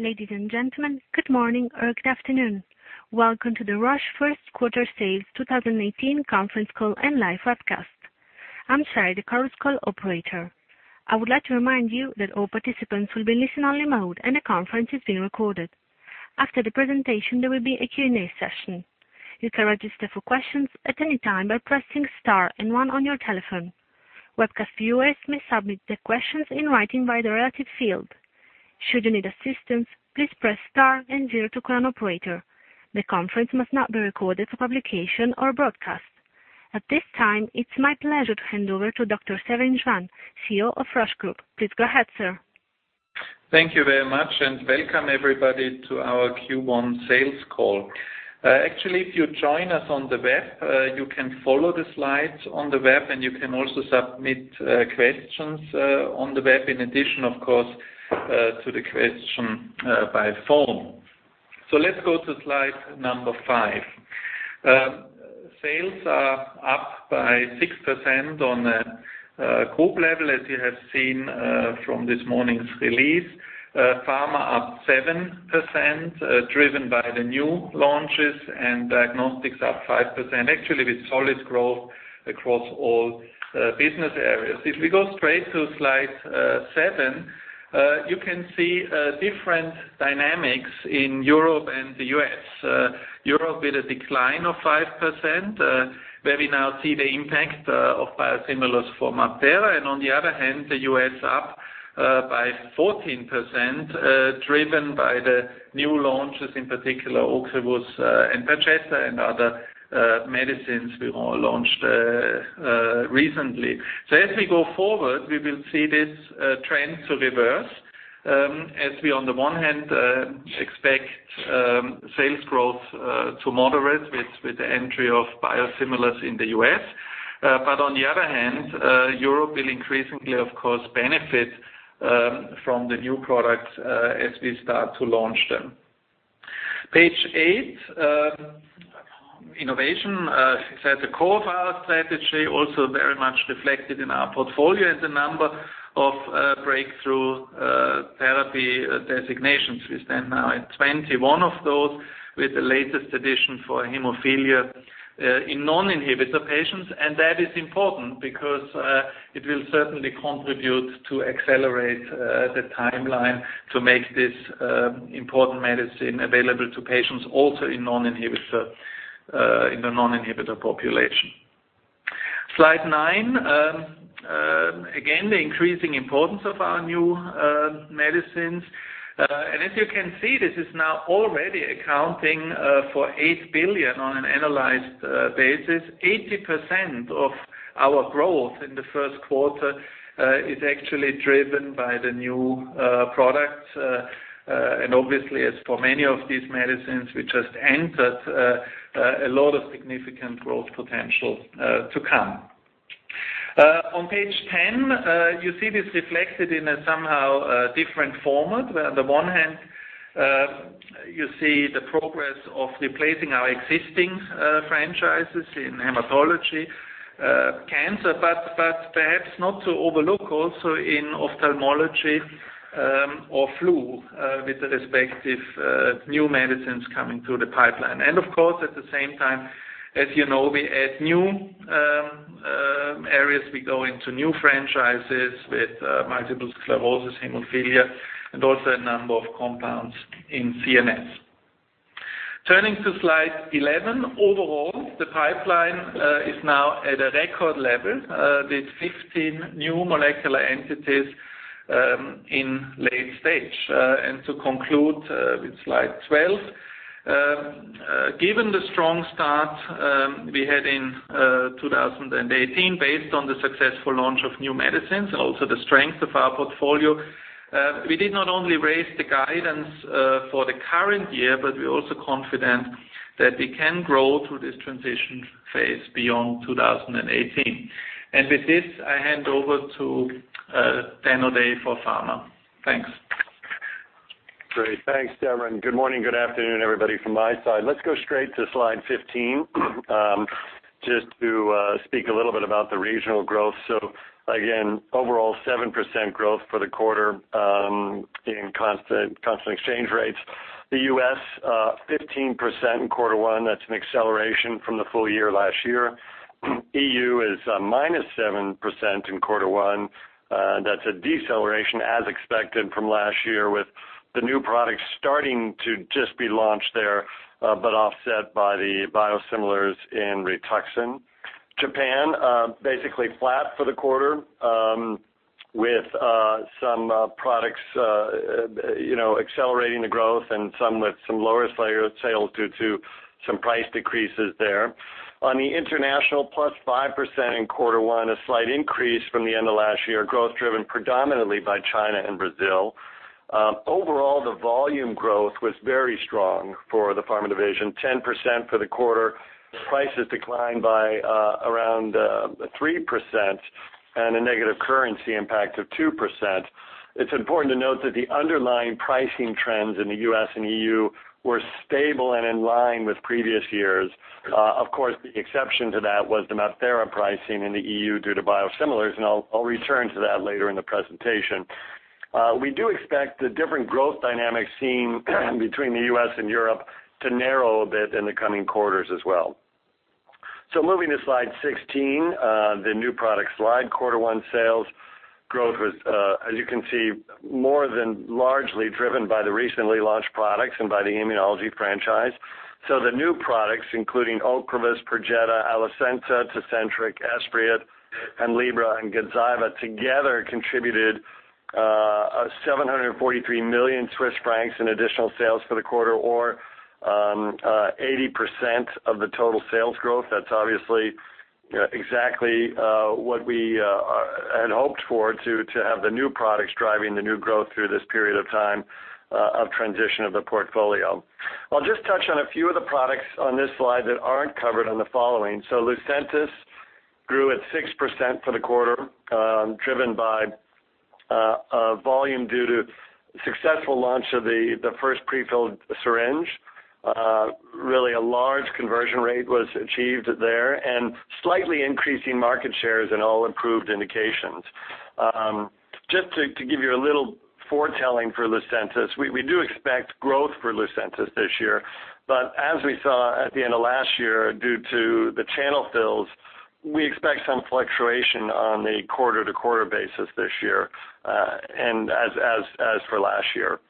Ladies and gentlemen, good morning or good afternoon. Welcome to the Roche first quarter sales 2018 conference call and live webcast. I'm Sherry, the conference call operator. I would like to remind you that all participants will be in listen-only mode, and the conference is being recorded. After the presentation, there will be a Q&A session. You can register for questions at any time by pressing star and one on your telephone. Webcast viewers may submit their questions in writing via the relative field. Should you need assistance, please press star and zero to call an operator. The conference must not be recorded for publication or broadcast. At this time, it's my pleasure to hand over to Dr. Severin Schwan, CEO of Roche Group. Please go ahead, sir. Thank you very much, welcome everybody to our Q1 sales call. Actually, if you join us on the web, you can follow the slides on the web, and you can also submit questions on the web, in addition, of course, to the question by phone. Let's go to slide five. Sales are up by 6% on a group level, as you have seen from this morning's release. Pharma up 7%, driven by the new launches, and Diagnostics up 5%, actually with solid growth across all business areas. If we go straight to slide seven, you can see different dynamics in Europe and the U.S. Europe with a decline of 5%, where we now see the impact of biosimilars for MabThera. On the other hand, the U.S. up by 14%, driven by the new launches, in particular Ocrevus, and Perjeta and other medicines we all launched recently. As we go forward, we will see this trend to reverse as we, on the one hand, expect sales growth to moderate with the entry of biosimilars in the U.S. On the other hand, Europe will increasingly, of course, benefit from the new products as we start to launch them. Page eight. Innovation is at the core of our strategy, also very much reflected in our portfolio as a number of breakthrough therapy designations. We stand now at 21 of those with the latest addition for hemophilia in non-inhibitor patients. That is important because it will certainly contribute to accelerate the timeline to make this important medicine available to patients also in the non-inhibitor population. Slide nine. Again, the increasing importance of our new medicines. As you can see, this is now already accounting for 8 billion on an analyzed basis. 80% of our growth in the first quarter is actually driven by the new products. Obviously, as for many of these medicines we just entered, a lot of significant growth potential to come. On page 10, you see this reflected in a somehow different format. On the one hand, you see the progress of replacing our existing franchises in hematology cancer, but perhaps not to overlook also in ophthalmology or flu with the respective new medicines coming through the pipeline. Of course, at the same time, as you know, we add new areas. We go into new franchises with multiple sclerosis, hemophilia, and also a number of compounds in CNS. Turning to slide 11. Overall, the pipeline is now at a record level with 15 New Molecular Entities in late stage. To conclude with slide 12. Given the strong start we had in 2018 based on the successful launch of new medicines and also the strength of our portfolio, we did not only raise the guidance for the current year, but we are also confident that we can grow through this transition phase beyond 2018. With this, I hand over to Dan O'Day for pharma. Thanks. Great. Thanks, Severin. Good morning, good afternoon, everybody from my side. Let's go straight to slide 15 just to speak a little bit about the regional growth. Again, overall 7% growth for the quarter in constant exchange rates. The U.S. 15% in quarter one, that's an acceleration from the full year last year. E.U. is minus 7% in quarter one. That's a deceleration as expected from last year with the new products starting to just be launched there, but offset by the biosimilars in Rituxan. Japan basically flat for the quarter with some products accelerating the growth and some with some lower sales due to some price decreases there. On the international, plus 5% in quarter one, a slight increase from the end of last year, growth driven predominantly by China and Brazil. Overall, the volume growth was very strong for the pharma division, 10% for the quarter. Prices declined by around 3% and a negative currency impact of 2%. It's important to note that the underlying pricing trends in the U.S. and E.U. were stable and in line with previous years. Of course, the exception to that was the MabThera pricing in the E.U. due to biosimilars, and I will return to that later in the presentation. We do expect the different growth dynamics seen between the U.S. and Europe to narrow a bit in the coming quarters as well. Moving to slide 16, the new product slide. Quarter one sales growth was, as you can see, more than largely driven by the recently launched products and by the immunology franchise. The new products, including Ocrevus, Perjeta, Alecensa, Tecentriq, Esbriet, Hemlibra, and Gazyva, together contributed 743 million Swiss francs in additional sales for the quarter, or 80% of the total sales growth. That's obviously exactly what we had hoped for, to have the new products driving the new growth through this period of time of transition of the portfolio. I will just touch on a few of the products on this slide that aren't covered on the following. lucentis grew at 6% for the quarter grew at 6% for the quarter, driven by volume due to successful launch of the first prefilled syringe. Really a large conversion rate was achieved there and slightly increasing market shares in all improved indications. Just to give you a little foretelling for lucentis, we do expect growth for lucentis this year. As we saw at the end of last year, due to the channel fills, we expect some fluctuation on a quarter-to-quarter basis this year, and as for last year.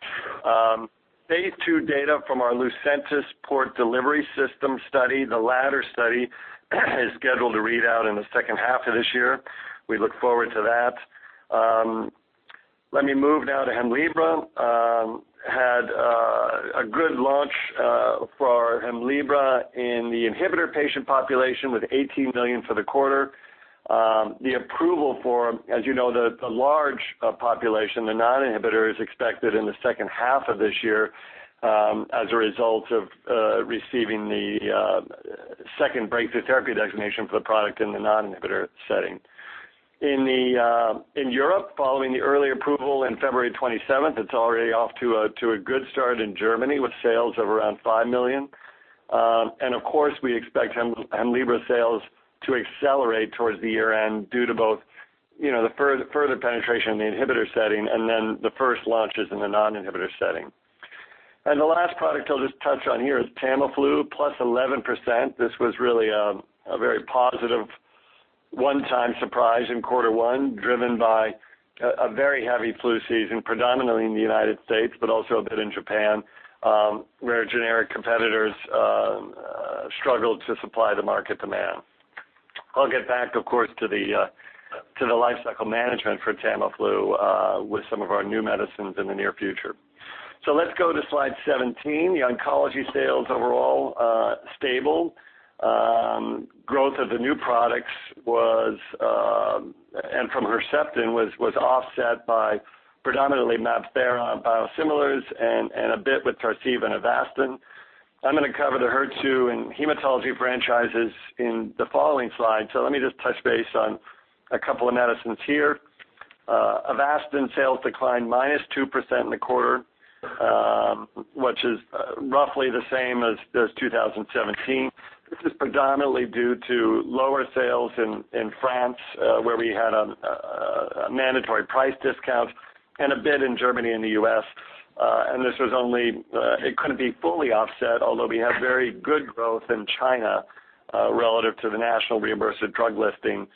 phase II data from our Lucentis port delivery system study, the latter study is scheduled to read out in the second half of this year. We look forward to that. Let me move now to Hemlibra. Had a good launch for our Hemlibra in the inhibitor patient population with 18 million for the quarter. The approval for, as you know, the large population, the non-inhibitor, is expected in the second half of this year as a result of receiving the second breakthrough therapy designation for the product in the non-inhibitor setting. In Europe, following the early approval in February 27th, it's already off to a good start in Germany with sales of around 5 million. Of course, we expect Hemlibra sales to accelerate towards the year-end due to both the further penetration in the inhibitor setting and then the first launches in the non-inhibitor setting. The last product I'll just touch on here is Tamiflu, +11%. This was really a very positive one-time surprise in quarter one, driven by a very heavy flu season, predominantly in the U.S., but also a bit in Japan, where generic competitors struggled to supply the market demand. I'll get back, of course, to the lifecycle management for Tamiflu with some of our new medicines in the near future. Let's go to slide 17. The oncology sales overall are stable. Growth of the new products and from Herceptin was offset by predominantly MabThera biosimilars and a bit with Tarceva and Avastin. I'm going to cover the HER2 and hematology franchises in the following slide. Let me just touch base on a couple of medicines here. Avastin sales declined -2% in the quarter, which is roughly the same as 2017. This is predominantly due to lower sales in France, where we had a mandatory price discount, and a bit in Germany and the U.S. It couldn't be fully offset, although we had very good growth in China relative to the national reimbursed drug listing.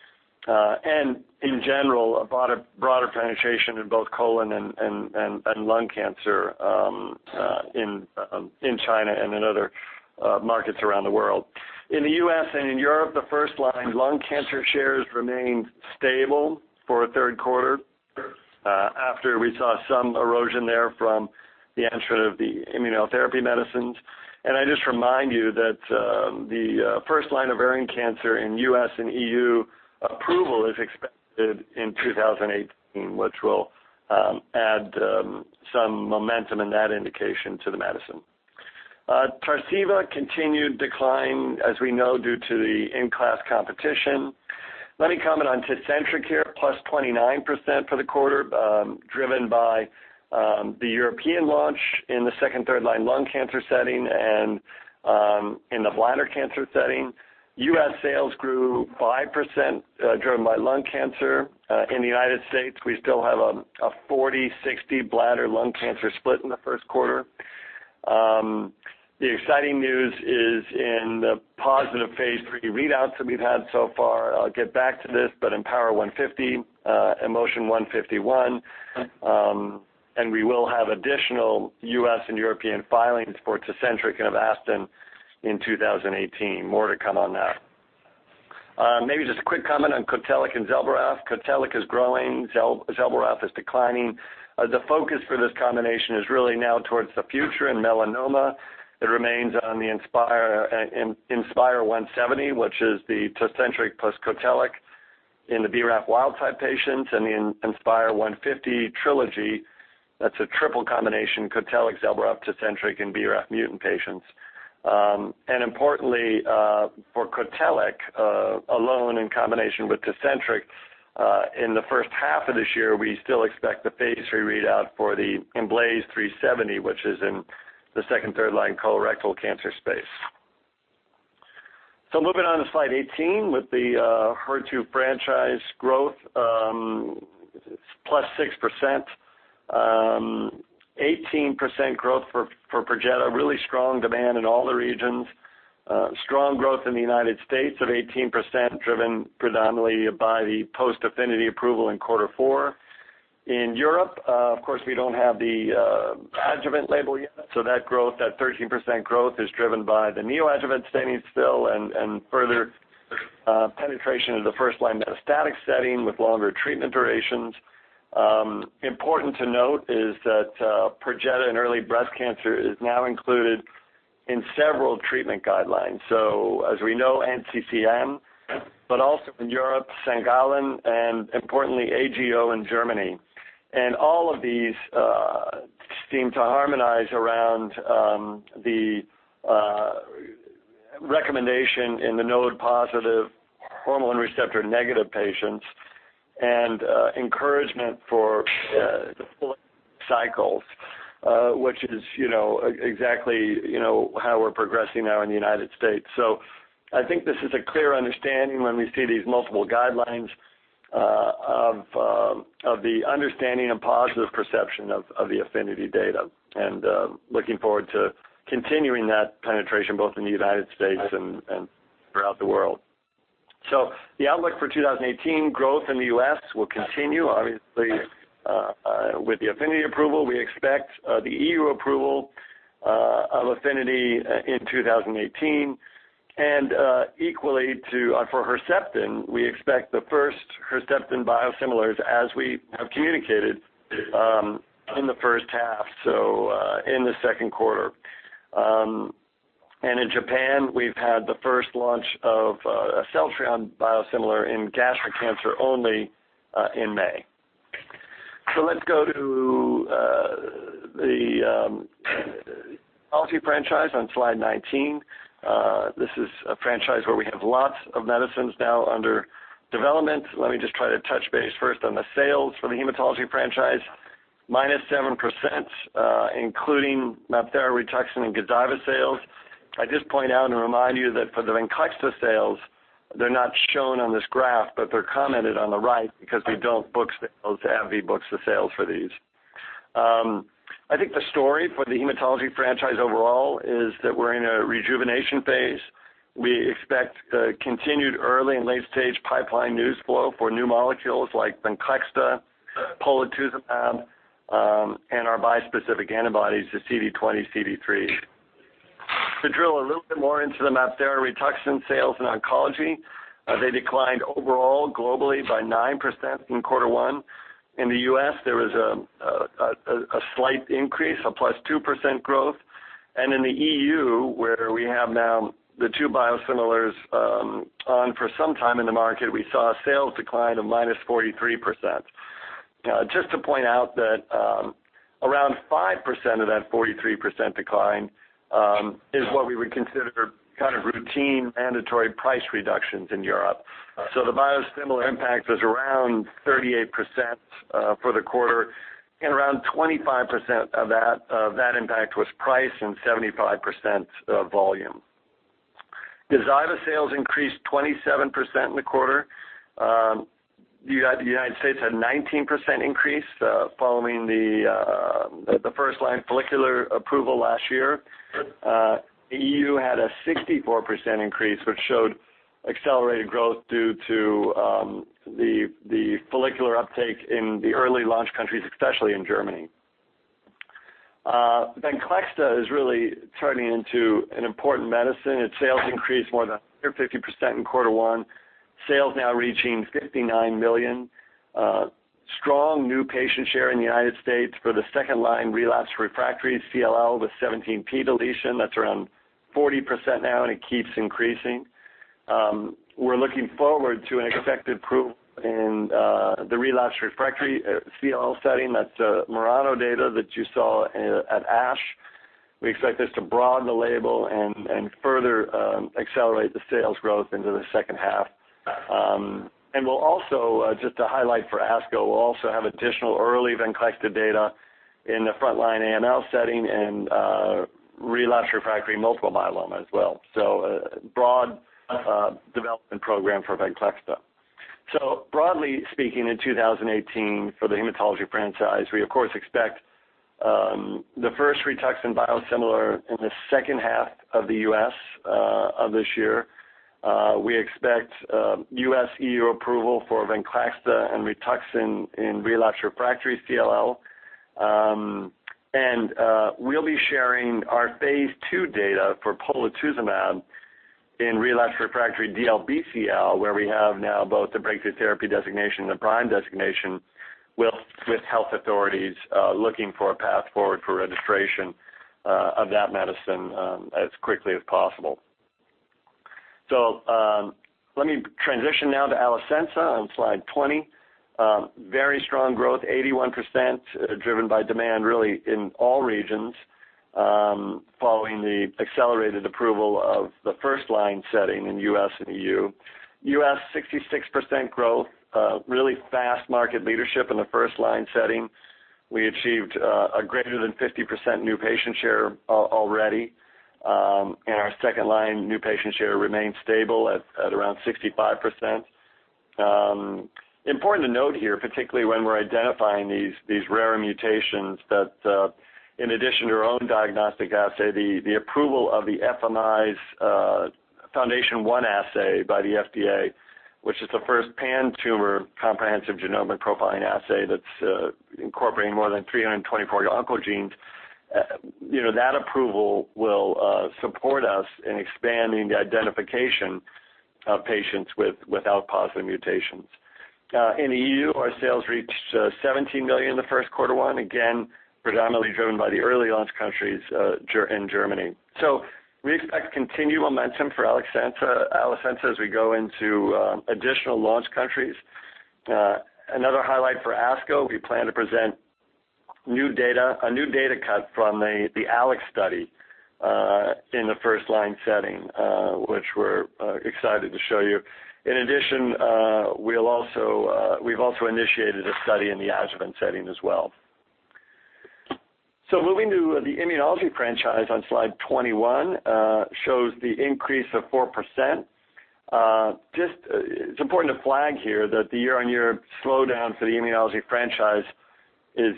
In general, a broader penetration in both colon and lung cancer in China and in other markets around the world. In the U.S. and in Europe, the first-line lung cancer shares remained stable for a third quarter, after we saw some erosion there from the entrant of the immunotherapy medicines. I just remind you that the first line of varying cancer in U.S. and EU approval is expected in 2018, which will add some momentum in that indication to the medicine. Tarceva continued decline, as we know, due to the in-class competition. Let me comment on Tecentriq here, +29% for the quarter, driven by the European launch in the second, third-line lung cancer setting and in the bladder cancer setting. U.S. sales grew +5%, driven by lung cancer. In the U.S., we still have a 40/60 bladder/lung cancer split in the first quarter. The exciting news is in the positive phase III readouts that we've had so far. I'll get back to this, but IMpower150, IMpassion151, and we will have additional U.S. and European filings for Tecentriq and Avastin in 2018. More to come on that. Maybe just a quick comment on Cotellic and Zelboraf. Cotellic is growing; Zelboraf is declining. The focus for this combination is really now towards the future in melanoma. It remains on the IMspire170, which is the Tecentriq plus Cotellic in the BRAF wild type patients and the IMspire150 trilogy. That's a triple combination, Cotellic, Zelboraf, Tecentriq in BRAF mutant patients. Importantly, for Cotellic alone, in combination with Tecentriq in the first half of this year, we still expect the phase III readout for the IMblaze370, which is in the second, third-line colorectal cancer space. Moving on to slide 18 with the HER2 franchise growth, plus 6%, 18% growth for Perjeta. Really strong demand in all the regions. Strong growth in the U.S. of 18%, driven predominantly by the post-APHINITY approval in quarter four. In Europe, of course, we don't have the adjuvant label yet, so that 13% growth is driven by the neoadjuvant setting still and further penetration of the first-line metastatic setting with longer treatment durations. Important to note is that Perjeta in early breast cancer is now included in several treatment guidelines. As we know, NCCN, but also in Europe, St. Gallen, and importantly, AGO in Germany. All of these seem to harmonize around the recommendation in the node-positive hormone receptor-negative patients and encouragement for the cycles, which is exactly how we're progressing now in the U.S. I think this is a clear understanding when we see these multiple guidelines of the understanding and positive perception of the APHINITY data, and looking forward to continuing that penetration both in the U.S. and throughout the world. The outlook for 2018 growth in the U.S. will continue, obviously, with the APHINITY approval. We expect the EU approval of APHINITY in 2018, and equally for Herceptin, we expect the first Herceptin biosimilars, as we have communicated, in the first half, so in the second quarter. In Japan, we've had the first launch of a Celltrion biosimilar in gastric cancer only in May. Let's go to the oncology franchise on slide 19. This is a franchise where we have lots of medicines now under development. Let me just try to touch base first on the sales for the hematology franchise, minus 7%, including MabThera, Rituxan, and Gazyva sales. I just point out and remind you that for the VENCLEXTA sales, they're not shown on this graph, but they're commented on the right because we don't book sales. AbbVie books the sales for these. I think the story for the hematology franchise overall is that we're in a rejuvenation phase. We expect continued early- and late-stage pipeline news flow for new molecules like VENCLEXTA, polatuzumab, and our bispecific antibodies, the CD20, CD3. To drill a little bit more into the MabThera Rituxan sales in oncology, they declined overall globally by 9% in quarter one. In the U.S., there was a slight increase of plus 2% growth, and in the EU, where we have now the two biosimilars on for some time in the market, we saw a sales decline of minus 43%. Just to point out that around 5% of that 43% decline is what we would consider routine mandatory price reductions in Europe. The biosimilar impact was around 38% for the quarter, and around 25% of that impact was price and 75% volume. Gazyva sales increased 27% in the quarter. The U.S. had 19% increase, following the first-line follicular approval last year. EU had a 64% increase, which showed accelerated growth due to the follicular uptake in the early launch countries, especially in Germany. VENCLEXTA is really turning into an important medicine. Its sales increased more than 150% in quarter 1, sales now reaching 59 million. Strong new patient share in the U.S. for the second-line relapse refractory CLL with 17p deletion. That is around 40% now, and it keeps increasing. We are looking forward to an effective approval in the relapse refractory CLL setting. That is the MURANO data that you saw at ASH. We expect this to broaden the label and further accelerate the sales growth into the second half. Just to highlight for ASCO, we will also have additional early VENCLEXTA data in the frontline AML setting and relapse refractory multiple myeloma as well. A broad development program for VENCLEXTA. Broadly speaking, in 2018 for the hematology franchise, we of course expect the first Rituxan biosimilar in the second half of the U.S. of this year. We expect U.S. EU approval for VENCLEXTA and Rituxan in relapse refractory CLL. We will be sharing our phase II data for polatuzumab in relapse refractory DLBCL, where we have now both the breakthrough therapy designation and the PRIME designation with health authorities looking for a path forward for registration of that medicine as quickly as possible. Let me transition now to Alecensa on slide 20. Very strong growth, 81%, driven by demand really in all regions, following the accelerated approval of the first-line setting in U.S. and EU. U.S. 66% growth, really fast market leadership in the first-line setting. We achieved a greater than 50% new patient share already, and our second-line new patient share remains stable at around 65%. Important to note here, particularly when we are identifying these rare mutations, that in addition to our own diagnostic assay, the approval of Foundation Medicine's FoundationOne assay by the FDA, which is the first pan-tumor comprehensive genomic profiling assay that is incorporating more than 324 oncogenes. That approval will support us in expanding the identification of patients without positive mutations. In EU, our sales reached 17 million in the first quarter 1, again, predominantly driven by the early launch countries in Germany. We expect continued momentum for Alecensa as we go into additional launch countries. Another highlight for ASCO, we plan to present a new data cut from the ALEX study, in the first-line setting, which we are excited to show you. In addition, we have also initiated a study in the adjuvant setting as well. Moving to the immunology franchise on slide 21, shows the increase of 4%. It is important to flag here that the year-on-year slowdown for the immunology franchise is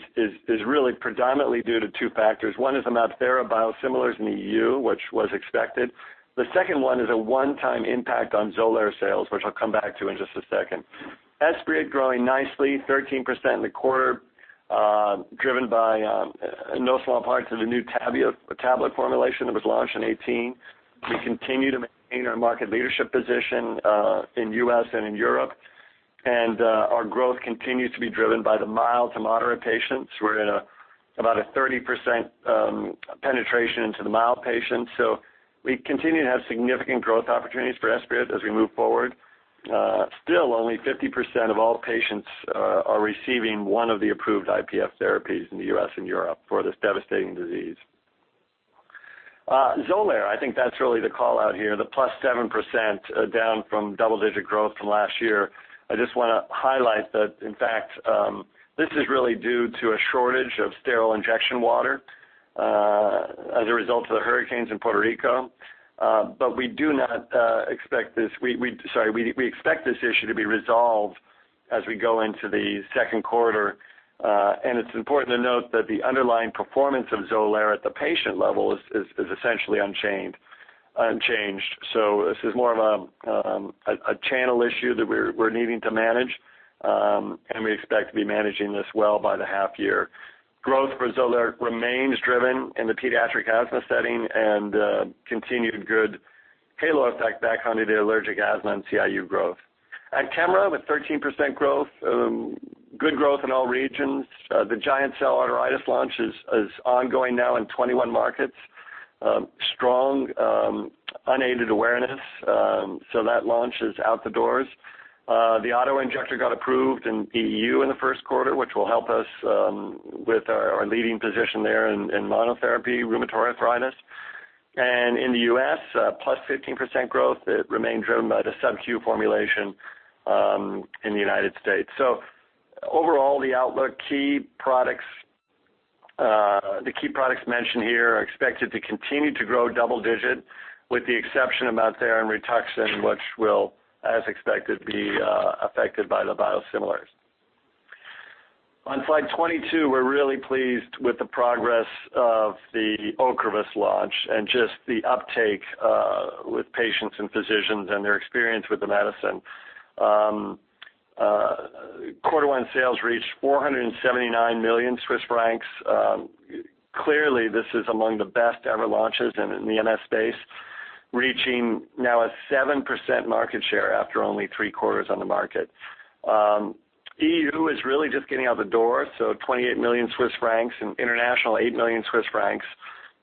really predominantly due to two factors. One is the MabThera biosimilars in the EU, which was expected. The second one is a one-time impact on XOLAIR sales, which I will come back to in just a second. Esbriet growing nicely, 13% in the quarter, driven by in no small parts of a new tablet formulation that was launched in 2018. We continue to maintain our market leadership position, in U.S. and in Europe. Our growth continues to be driven by the mild to moderate patients. We are in about a 30% penetration into the mild patients. We continue to have significant growth opportunities for Esbriet as we move forward. Still only 50% of all patients are receiving one of the approved IPF therapies in the U.S. and Europe for this devastating disease. XOLAIR, I think that's really the call-out here, the +7% down from double-digit growth from last year. I just want to highlight that, in fact, this is really due to a shortage of sterile injection water, as a result of the hurricanes in Puerto Rico. We expect this issue to be resolved as we go into the second quarter. It is important to note that the underlying performance of XOLAIR at the patient level is essentially unchanged. This is more of a channel issue that we are needing to manage, and we expect to be managing this well by the half year. Growth for XOLAIR remains driven in the pediatric asthma setting and continued good halo effect behind the allergic asthma and CIU growth. Actemra with 13% growth, good growth in all regions. The giant cell arteritis launch is ongoing now in 21 markets. Strong unaided awareness. That launch is out the doors. The auto-injector got approved in EU in the first quarter, which will help us with our leading position there in monotherapy rheumatoid arthritis. In the U.S., +15% growth that remained driven by the subQ formulation in the United States. Overall, the outlook, the key products mentioned here are expected to continue to grow double-digit with the exception of MabThera and Rituxan, which will, as expected, be affected by the biosimilars. On slide 22, we are really pleased with the progress of the Ocrevus launch and just the uptake with patients and physicians and their experience with the medicine. Quarter 1 sales reached 479 million Swiss francs. Clearly, this is among the best-ever launches in the MS space, reaching now a 7% market share after only 3 quarters on the market. EU is really just getting out the door, so 28 million Swiss francs, and international, 8 million Swiss francs.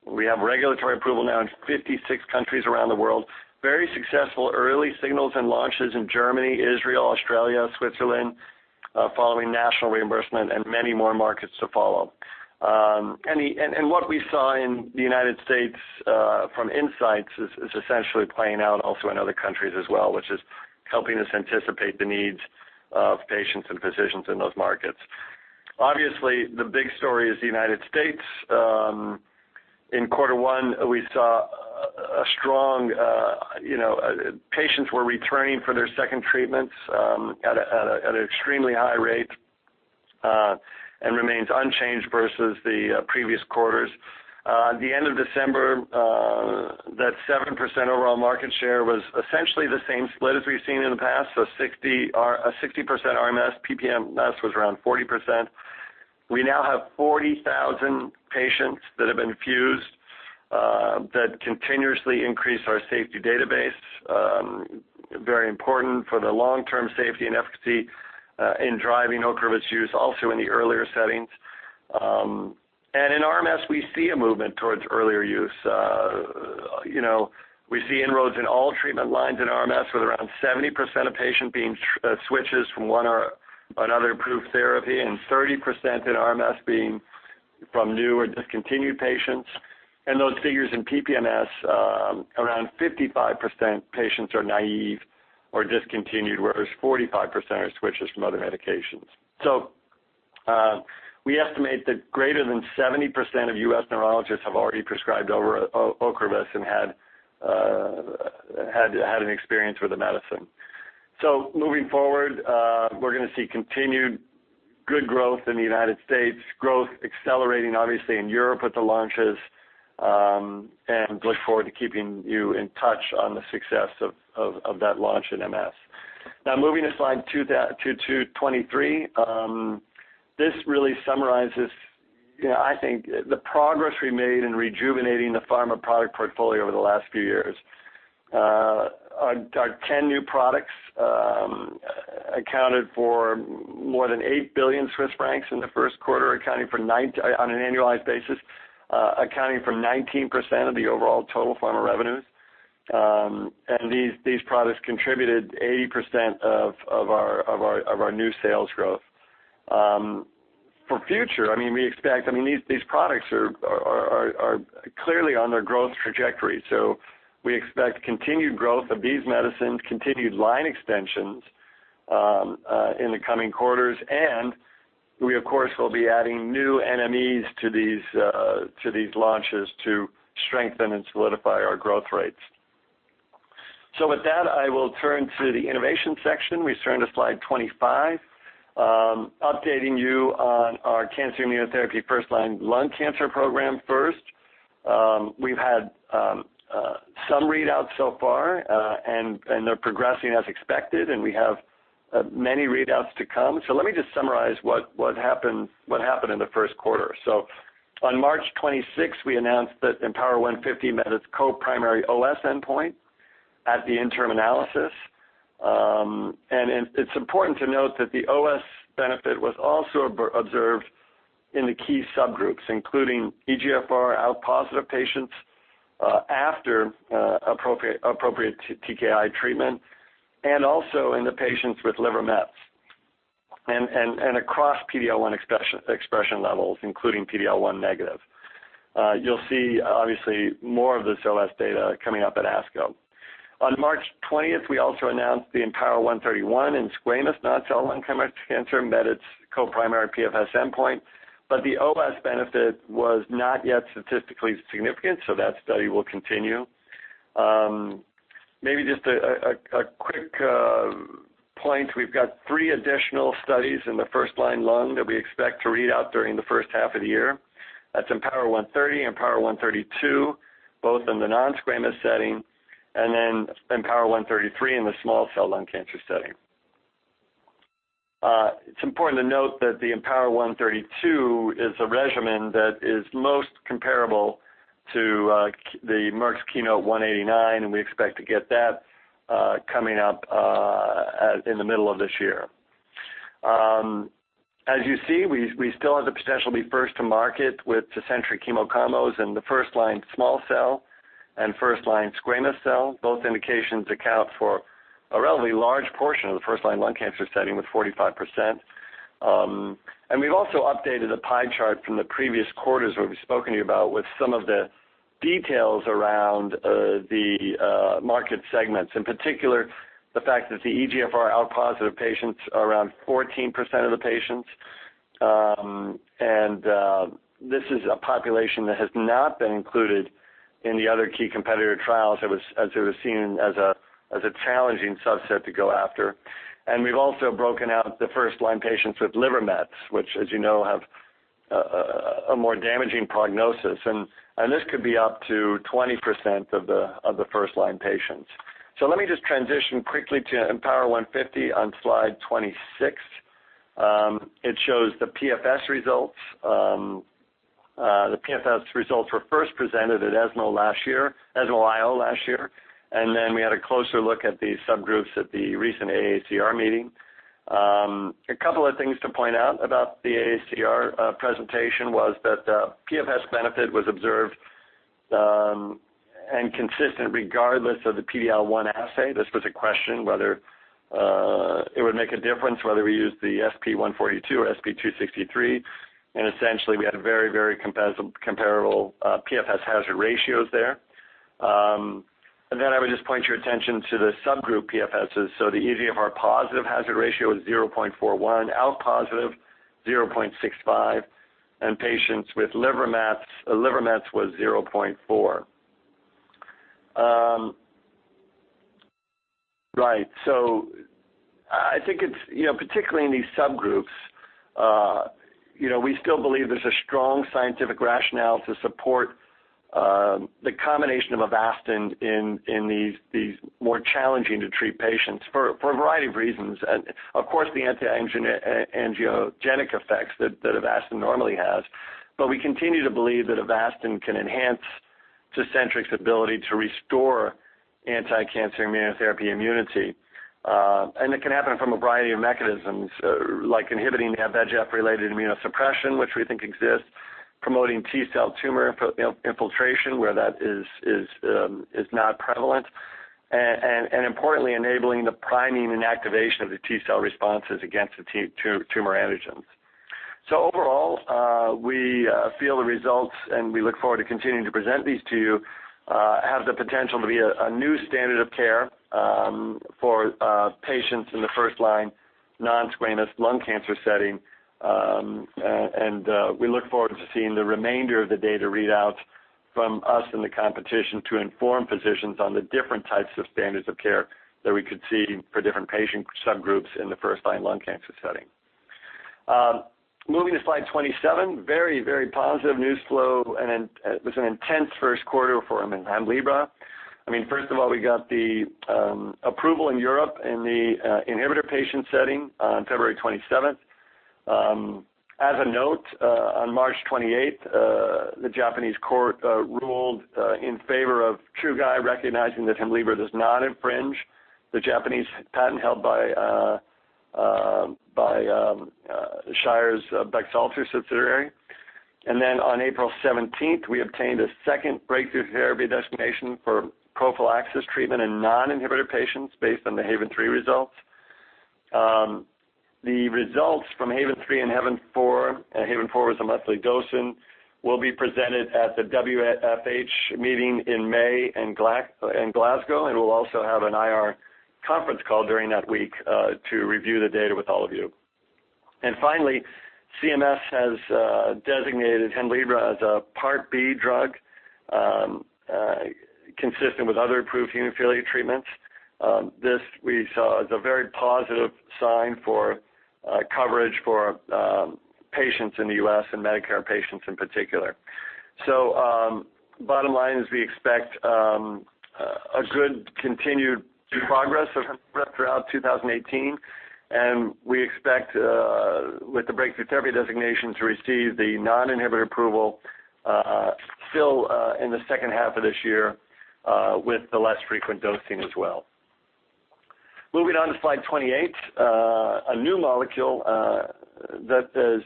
We have regulatory approval now in 56 countries around the world. Very successful early signals and launches in Germany, Israel, Australia, Switzerland, following national reimbursement and many more markets to follow. What we saw in the United States from insights is essentially playing out also in other countries as well, which is helping us anticipate the needs of patients and physicians in those markets. Obviously, the big story is the United States. In Quarter 1, we saw patients were returning for their 2nd treatments at an extremely high rate, and remains unchanged versus the previous quarters. The end of December, that 7% overall market share was essentially the same split as we have seen in the past, so a 60% RMS, PPMS was around 40%. We now have 40,000 patients that have been fused that continuously increase our safety database. Very important for the long-term safety and efficacy in driving Ocrevus use also in the earlier settings. In RMS, we see a movement towards earlier use. We see inroads in all treatment lines in RMS, with around 70% of patient switches from one another approved therapy and 30% in RMS being from new or discontinued patients. Those figures in PPMS, around 55% patients are naive or discontinued, whereas 45% are switchers from other medications. We estimate that greater than 70% of U.S. neurologists have already prescribed Ocrevus and had an experience with the medicine. Moving forward, we are going to see continued good growth in the United States, growth accelerating obviously in Europe with the launches, and look forward to keeping you in touch on the success of that launch in MS. Moving to slide 2223, this really summarizes, I think, the progress we made in rejuvenating the Pharma product portfolio over the last few years. Our 10 new products accounted for more than 8 billion Swiss francs in the first quarter, on an annualized basis, accounting for 19% of the overall total Pharma revenues. These products contributed 80% of our new sales growth. For future, these products are clearly on their growth trajectory. We expect continued growth of these medicines, continued line extensions in the coming quarters, and we of course, will be adding new NMEs to these launches to strengthen and solidify our growth rates. With that, I will turn to the innovation section. We turn to slide 25, updating you on our cancer immunotherapy first-line lung cancer program first. We've had some readouts so far, they're progressing as expected, and we have many readouts to come. Let me just summarize what happened in the first quarter. On March 26th, we announced that IMpower150 met its co-primary OS endpoint at the interim analysis. It's important to note that the OS benefit was also observed in the key subgroups, including EGFR-ALK positive patients after appropriate TKI treatment, and also in the patients with liver mets, and across PD-L1 expression levels, including PD-L1 negative. You'll see, obviously, more of this OS data coming up at ASCO. On March 20th, we also announced the IMpower131 in squamous non-small cell lung cancer met its co-primary PFS endpoint, but the OS benefit was not yet statistically significant, so that study will continue. Maybe just a quick point, we've got three additional studies in the first-line lung that we expect to read out during the first half of the year. That's IMpower130, IMpower132, both in the non-squamous setting, IMpower133 in the small cell lung cancer setting. It's important to note that the IMpower132 is a regimen that is most comparable to the Merck's KEYNOTE-189, we expect to get that coming up in the middle of this year. You see, we still have the potential to be first to market with Tecentriq chemo combos in the first-line small cell and first-line squamous cell. Both indications account for a relatively large portion of the first-line lung cancer setting with 45%. We've also updated the pie chart from the previous quarters where we've spoken to you about with some of the details around the market segments, in particular, the fact that the EGFR ALK-positive patients are around 14% of the patients. This is a population that has not been included in the other key competitor trials as it was seen as a challenging subset to go after. We've also broken out the first-line patients with liver mets, which as you know have a more damaging prognosis, and this could be up to 20% of the first-line patients. Let me just transition quickly to IMpower150 on slide 26. It shows the PFS results. The PFS results were first presented at ESMO IO last year, we had a closer look at the subgroups at the recent AACR meeting. A couple of things to point out about the AACR presentation was that the PFS benefit was observed and consistent regardless of the PD-L1 assay. This was a question whether it would make a difference whether we use the SP142 or SP263, and essentially we had very comparable PFS hazard ratios there. I would just point your attention to the subgroup PFSs. The EGFR positive hazard ratio is 0.41, ALK positive 0.65, and patients with liver mets was 0.4. Right. I think particularly in these subgroups we still believe there's a strong scientific rationale to support the combination of Avastin in these more challenging to treat patients for a variety of reasons. Of course, the anti-angiogenic effects that Avastin normally has. We continue to believe that Avastin can enhance Tecentriq's ability to restore anti-cancer immunotherapy immunity. It can happen from a variety of mechanisms like inhibiting VEGF-related immunosuppression, which we think exists, promoting T-cell tumor infiltration where that is not prevalent. Importantly, enabling the priming and activation of the T-cell responses against the tumor antigens. Overall, we feel the results, and we look forward to continuing to present these to you, have the potential to be a new standard of care for patients in the first-line non-squamous lung cancer setting. We look forward to seeing the remainder of the data readouts from us and the competition to inform physicians on the different types of standards of care that we could see for different patient subgroups in the first-line lung cancer setting. Moving to slide 27, very positive news flow and it was an intense first quarter for Hemlibra. First of all, we got the approval in Europe in the inhibitor patient setting on February 27th. As a note, on March 28th, the Japanese court ruled in favor of Chugai recognizing that Hemlibra does not infringe the Japanese patent held by Shire's Baxalta subsidiary. On April 17th, we obtained a second breakthrough therapy designation for prophylaxis treatment in non-inhibitor patients based on the HAVEN 3 results. The results from HAVEN 3 and HAVEN 4, and HAVEN 4 was a monthly dosing, will be presented at the WFH meeting in May in Glasgow, and we'll also have an IR conference call during that week to review the data with all of you. CMS has designated Hemlibra as a Part B drug, consistent with other approved hemophilia treatments. This we saw as a very positive sign for coverage for patients in the U.S. and Medicare patients in particular. Bottom line is we expect a good continued progress throughout 2018, and we expect, with the breakthrough therapy designation, to receive the non-inhibitor approval still in the second half of this year with the less frequent dosing as well. Moving on to slide 28. A new molecule that is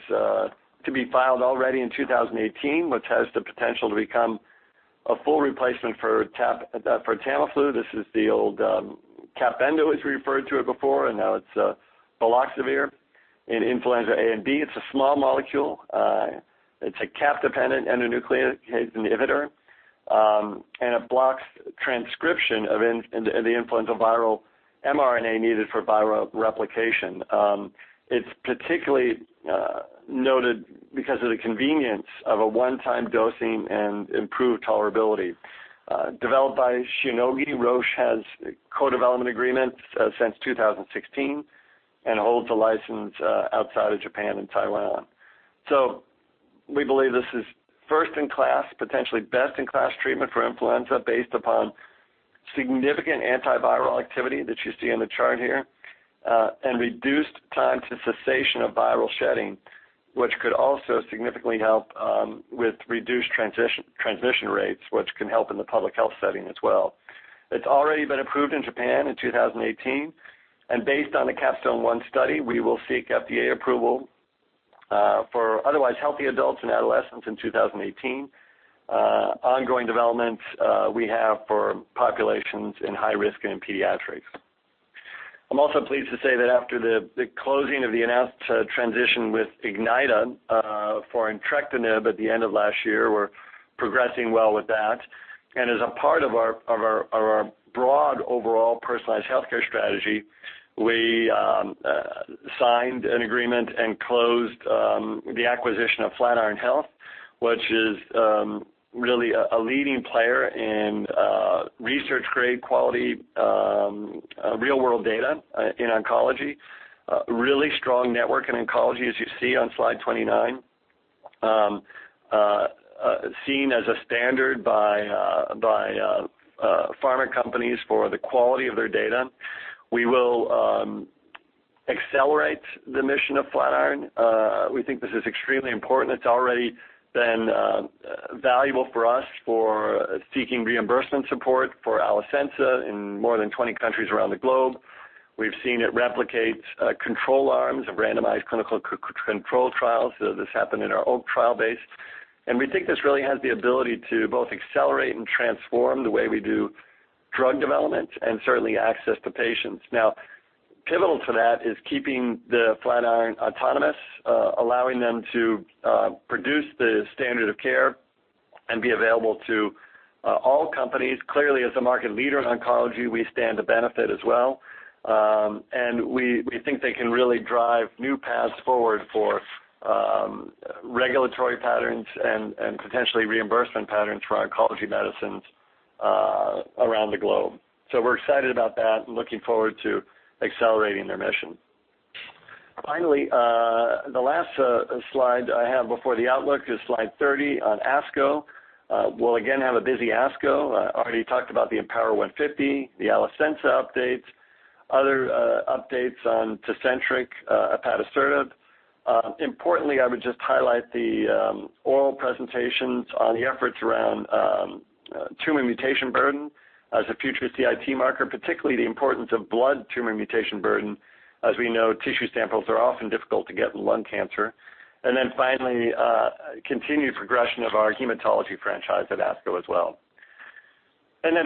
to be filed already in 2018, which has the potential to become a full replacement for Tamiflu. This is the old Capendo, as we referred to it before, and now it's baloxavir in influenza A and B. It's a small molecule. It's a cap-dependent endonuclease inhibitor and it blocks transcription of the influenza viral mRNA needed for viral replication. It's particularly noted because of the convenience of a one-time dosing and improved tolerability. Developed by Shionogi, Roche has co-development agreements since 2016 and holds a license outside of Japan and Taiwan. We believe this is first in class, potentially best in class treatment for influenza based upon significant antiviral activity that you see in the chart here and reduced time to cessation of viral shedding, which could also significantly help with reduced transmission rates, which can help in the public health setting as well. It's already been approved in Japan in 2018, based on the CAPSTONE-1 study, we will seek FDA approval for otherwise healthy adults and adolescents in 2018. Ongoing developments we have for populations in high risk and pediatrics. I'm also pleased to say that after the closing of the announced transition with Ignyta for entrectinib at the end of last year, we're progressing well with that. As a part of our broad overall personalized healthcare strategy, we signed an agreement and closed the acquisition of Flatiron Health, which is really a leading player in research-grade quality real-world data in oncology. Really strong network in oncology, as you see on slide 29. Seen as a standard by pharma companies for the quality of their data. We will accelerate the mission of Flatiron. We think this is extremely important. It's already been valuable for us for seeking reimbursement support for Alecensa in more than 20 countries around the globe. We've seen it replicate control arms of randomized clinical control trials. This happened in our OAK trial base. We think this really has the ability to both accelerate and transform the way we do drug development and certainly access to patients. Pivotal to that is keeping Flatiron autonomous, allowing them to produce the standard of care and be available to all companies. Clearly, as a market leader in oncology, we stand to benefit as well. We think they can really drive new paths forward for regulatory patterns and potentially reimbursement patterns for oncology medicines around the globe. We're excited about that and looking forward to accelerating their mission. Finally, the last slide I have before the outlook is slide 30 on ASCO. We'll again have a busy ASCO. I already talked about the IMpower150, the Alecensa updates, other updates on Tecentriq ipatasertib. Importantly, I would just highlight the oral presentations on the efforts around tumor mutation burden as a future CIT marker, particularly the importance of blood tumor mutation burden. As we know, tissue samples are often difficult to get in lung cancer. Finally, continued progression of our hematology franchise at ASCO as well.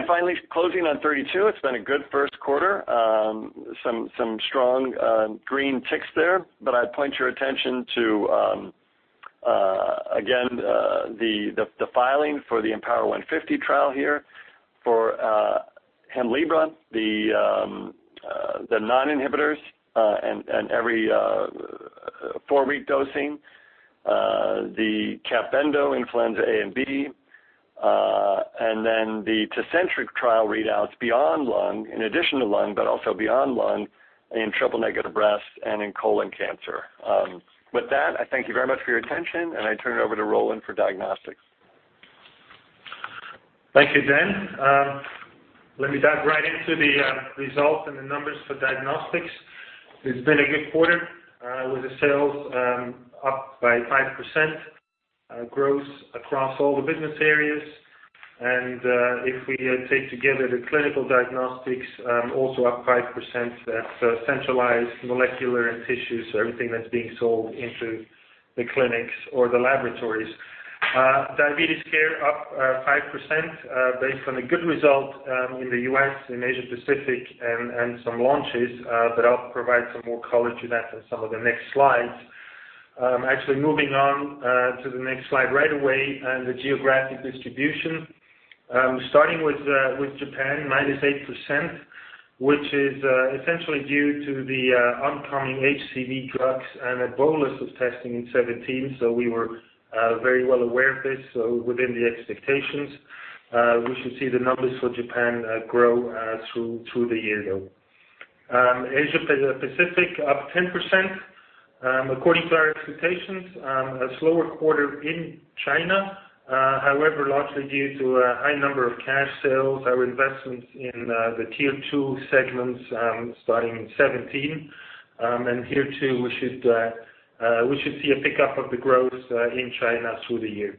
Finally closing on 32. It's been a good first quarter. Some strong green ticks there, but I'd point your attention to again, the filing for the IMpower150 trial here for Hemlibra, the non-inhibitors, and every 4-week dosing, the baloxavir in influenza A and B, and then the Tecentriq trial readouts in addition to lung, but also beyond lung in triple-negative breast and in colon cancer. With that, I thank you very much for your attention, and I turn it over to Roland for diagnostics. Thank you, Dan. Let me dive right into the results and the numbers for diagnostics. It's been a good quarter, with the sales up by 5% growth across all the business areas. If we take together the clinical diagnostics, also up 5%, that's centralized molecular and tissues, everything that's being sold into the clinics or the laboratories. Diabetes care up 5% based on a good result in the U.S., in Asia Pacific, and some launches. I'll provide some more color to that on some of the next slides. Moving on to the next slide right away, the geographic distribution. Starting with Japan, minus 8%, which is essentially due to the oncoming HCV drugs and a bolus of testing in 2017. We were very well aware of this, so within the expectations. We should see the numbers for Japan grow through the year though. Asia Pacific up 10%. According to our expectations, a slower quarter in China, largely due to a high number of cash sales, our investments in the tier 2 segments starting in 2017. Here too, we should see a pickup of the growth in China through the year.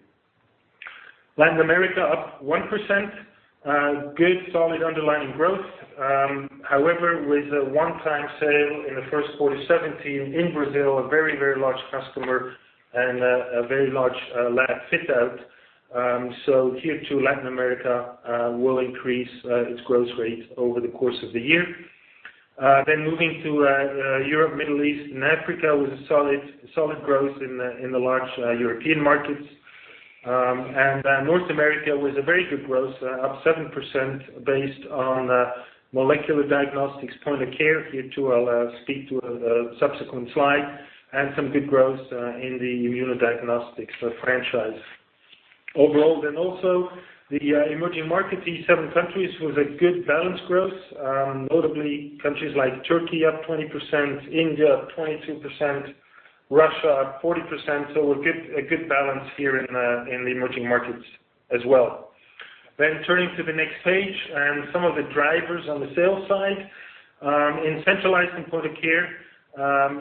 Latin America up 1%. Good solid underlying growth. However, with a one-time sale in the first quarter 2017 in Brazil, a very, very large customer and a very large lab fit out. Q2 Latin America will increase its growth rate over the course of the year. Moving to Europe, Middle East, and Africa with a solid growth in the large European markets. North America with a very good growth, up 7% based on molecular diagnostics, point-of-care. Here too, I'll speak to a subsequent slide, and some good growth in the immunodiagnostics franchise. Overall, the emerging market, these seven countries, was a good balanced growth. Notably, countries like Turkey up 20%, India up 22%, Russia up 40%. A good balance here in the emerging markets as well. Turning to the next page and some of the drivers on the sales side. In centralized and point of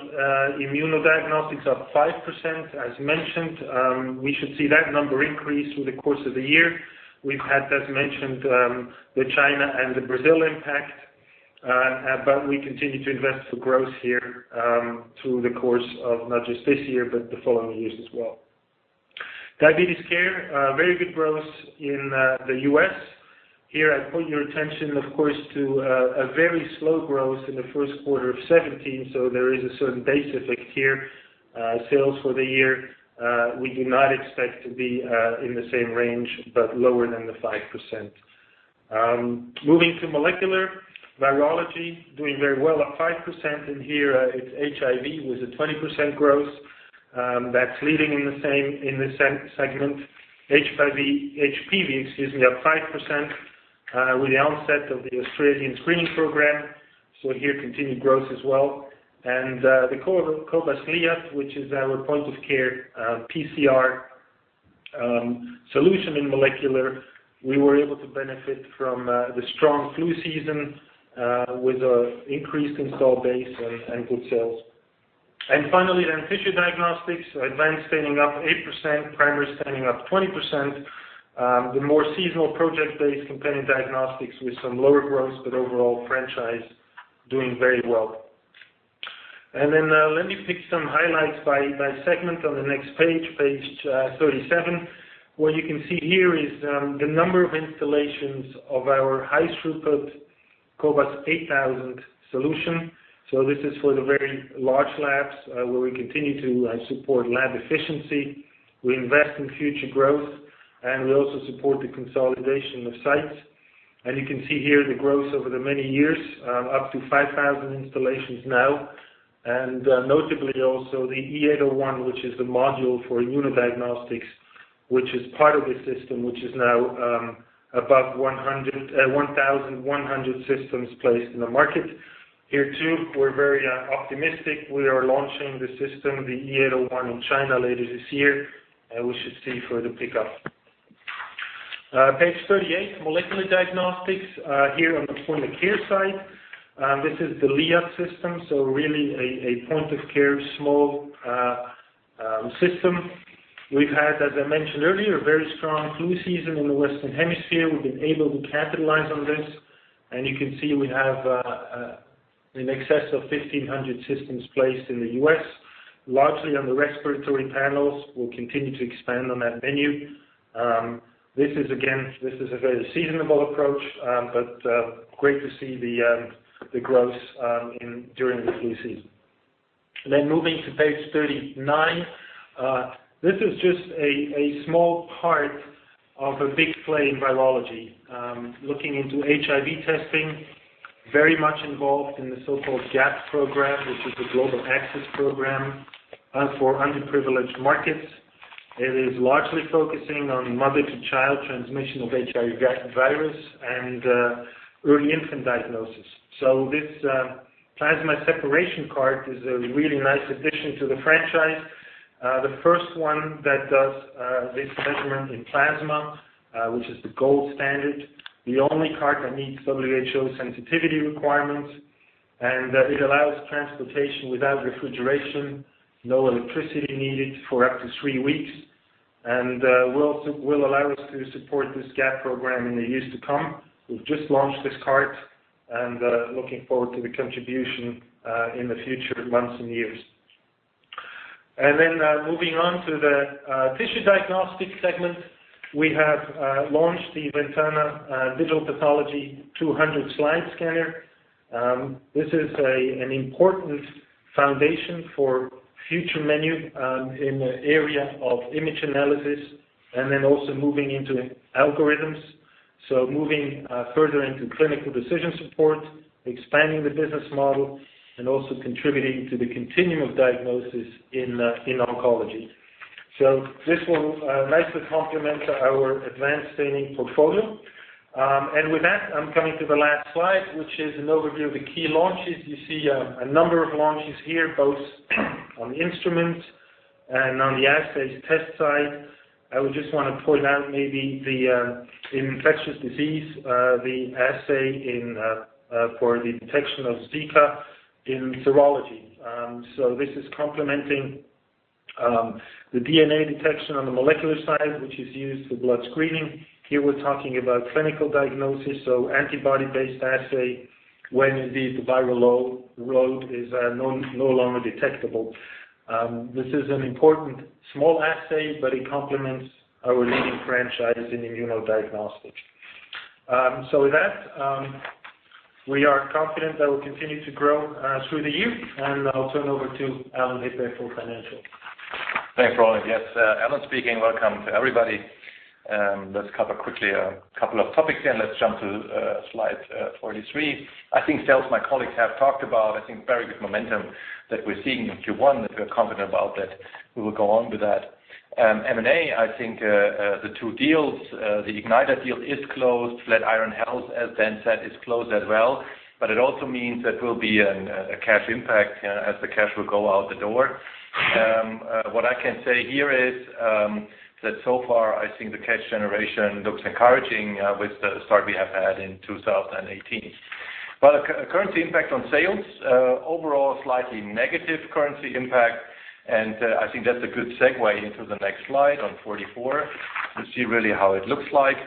care, immunodiagnostics up 5%, as mentioned. We should see that number increase through the course of the year. We've had, as mentioned, the China and the Brazil impact. We continue to invest for growth here through the course of not just this year, but the following years as well. Diabetes care, very good growth in the U.S. Here, I point your attention, of course, to a very slow growth in the first quarter of 2017. There is a certain base effect here. Sales for the year, we do not expect to be in the same range, but lower than the 5%. Moving to molecular virology, doing very well up 5%. Here it's HIV with a 20% growth. That's leading in the segment. HPV up 5% with the onset of the Australian screening program. Here, continued growth as well. The cobas Liat, which is our point-of-care PCR solution in molecular, we were able to benefit from the strong flu season with increased install base and good sales. Finally, tissue diagnostics, advanced staining up 8%, primary staining up 20%. The more seasonal project-based companion diagnostics with some lower growth, but overall franchise doing very well. Let me pick some highlights by segment on the next page 37. What you can see here is the number of installations of our high-throughput cobas 8000 solution. This is for the very large labs where we continue to support lab efficiency. We invest in future growth, and we also support the consolidation of sites. You can see here the growth over the many years, up to 5,000 installations now. Notably also the e 801, which is the module for immunodiagnostics, which is part of the system, which is now above 1,100 systems placed in the market. Here, too, we're very optimistic. We are launching the system, the e 801 in China later this year. We should see further pickup. Page 38, molecular diagnostics. Here on the point-of-care side. This is the Liat system, so really a point-of-care small system. We've had, as I mentioned earlier, a very strong flu season in the Western Hemisphere. We've been able to capitalize on this, and you can see we have In excess of 1,500 systems placed in the U.S., largely on the respiratory panels. We'll continue to expand on that menu. This is a very seasonal approach. Great to see the growth during the flu season. Moving to page 39. This is just a small part of a big play in virology. Looking into HIV testing, very much involved in the so-called GAP program, which is the Global Access Program for underprivileged markets. It is largely focusing on mother-to-child transmission of HIV virus and early infant diagnosis. This plasma separation card is a really nice addition to the franchise. The first one that does this measurement in plasma, which is the gold standard. The only card that meets WHO sensitivity requirements, and it allows transportation without refrigeration, no electricity needed for up to three weeks, and will allow us to support this GAP program in the years to come. We've just launched this card and looking forward to the contribution in the future months and years. Moving on to the tissue diagnostics segment. We have launched the Ventana Digital Pathology 200 slide scanner. This is an important foundation for future menu in the area of image analysis and then also moving into algorithms. Moving further into clinical decision support, expanding the business model, and also contributing to the continuum of diagnosis in oncology. This will nicely complement our advanced staining portfolio. With that, I'm coming to the last slide, which is an overview of the key launches. You see a number of launches here, both on the instrument and on the assays test side. I would just want to point out maybe the infectious disease, the assay for the detection of Zika in serology. This is complementing the DNA detection on the molecular side, which is used for blood screening. Here we're talking about clinical diagnosis, so antibody-based assay when indeed the viral load is no longer detectable. This is an important small assay, but it complements our leading franchise in immunodiagnostics. With that, we are confident that we'll continue to grow through the year, and I'll turn over to Alan Hippe for financial. Thanks, Roland. Yes, Alan speaking. Welcome to everybody. Let's cover quickly a couple of topics here, and let's jump to slide 43. Sales, my colleagues have talked about, I think very good momentum that we're seeing in Q1, that we're confident about, that we will go on with that. M&A, the 2 deals, the Ignyta deal is closed. Flatiron Health, as Severin said, is closed as well. It also means that will be a cash impact as the cash will go out the door. What I can say here is that so far I think the cash generation looks encouraging with the start we have had in 2018. Currency impact on sales, overall slightly negative currency impact, and I think that's a good segue into the next slide 44 to see really how it looks like.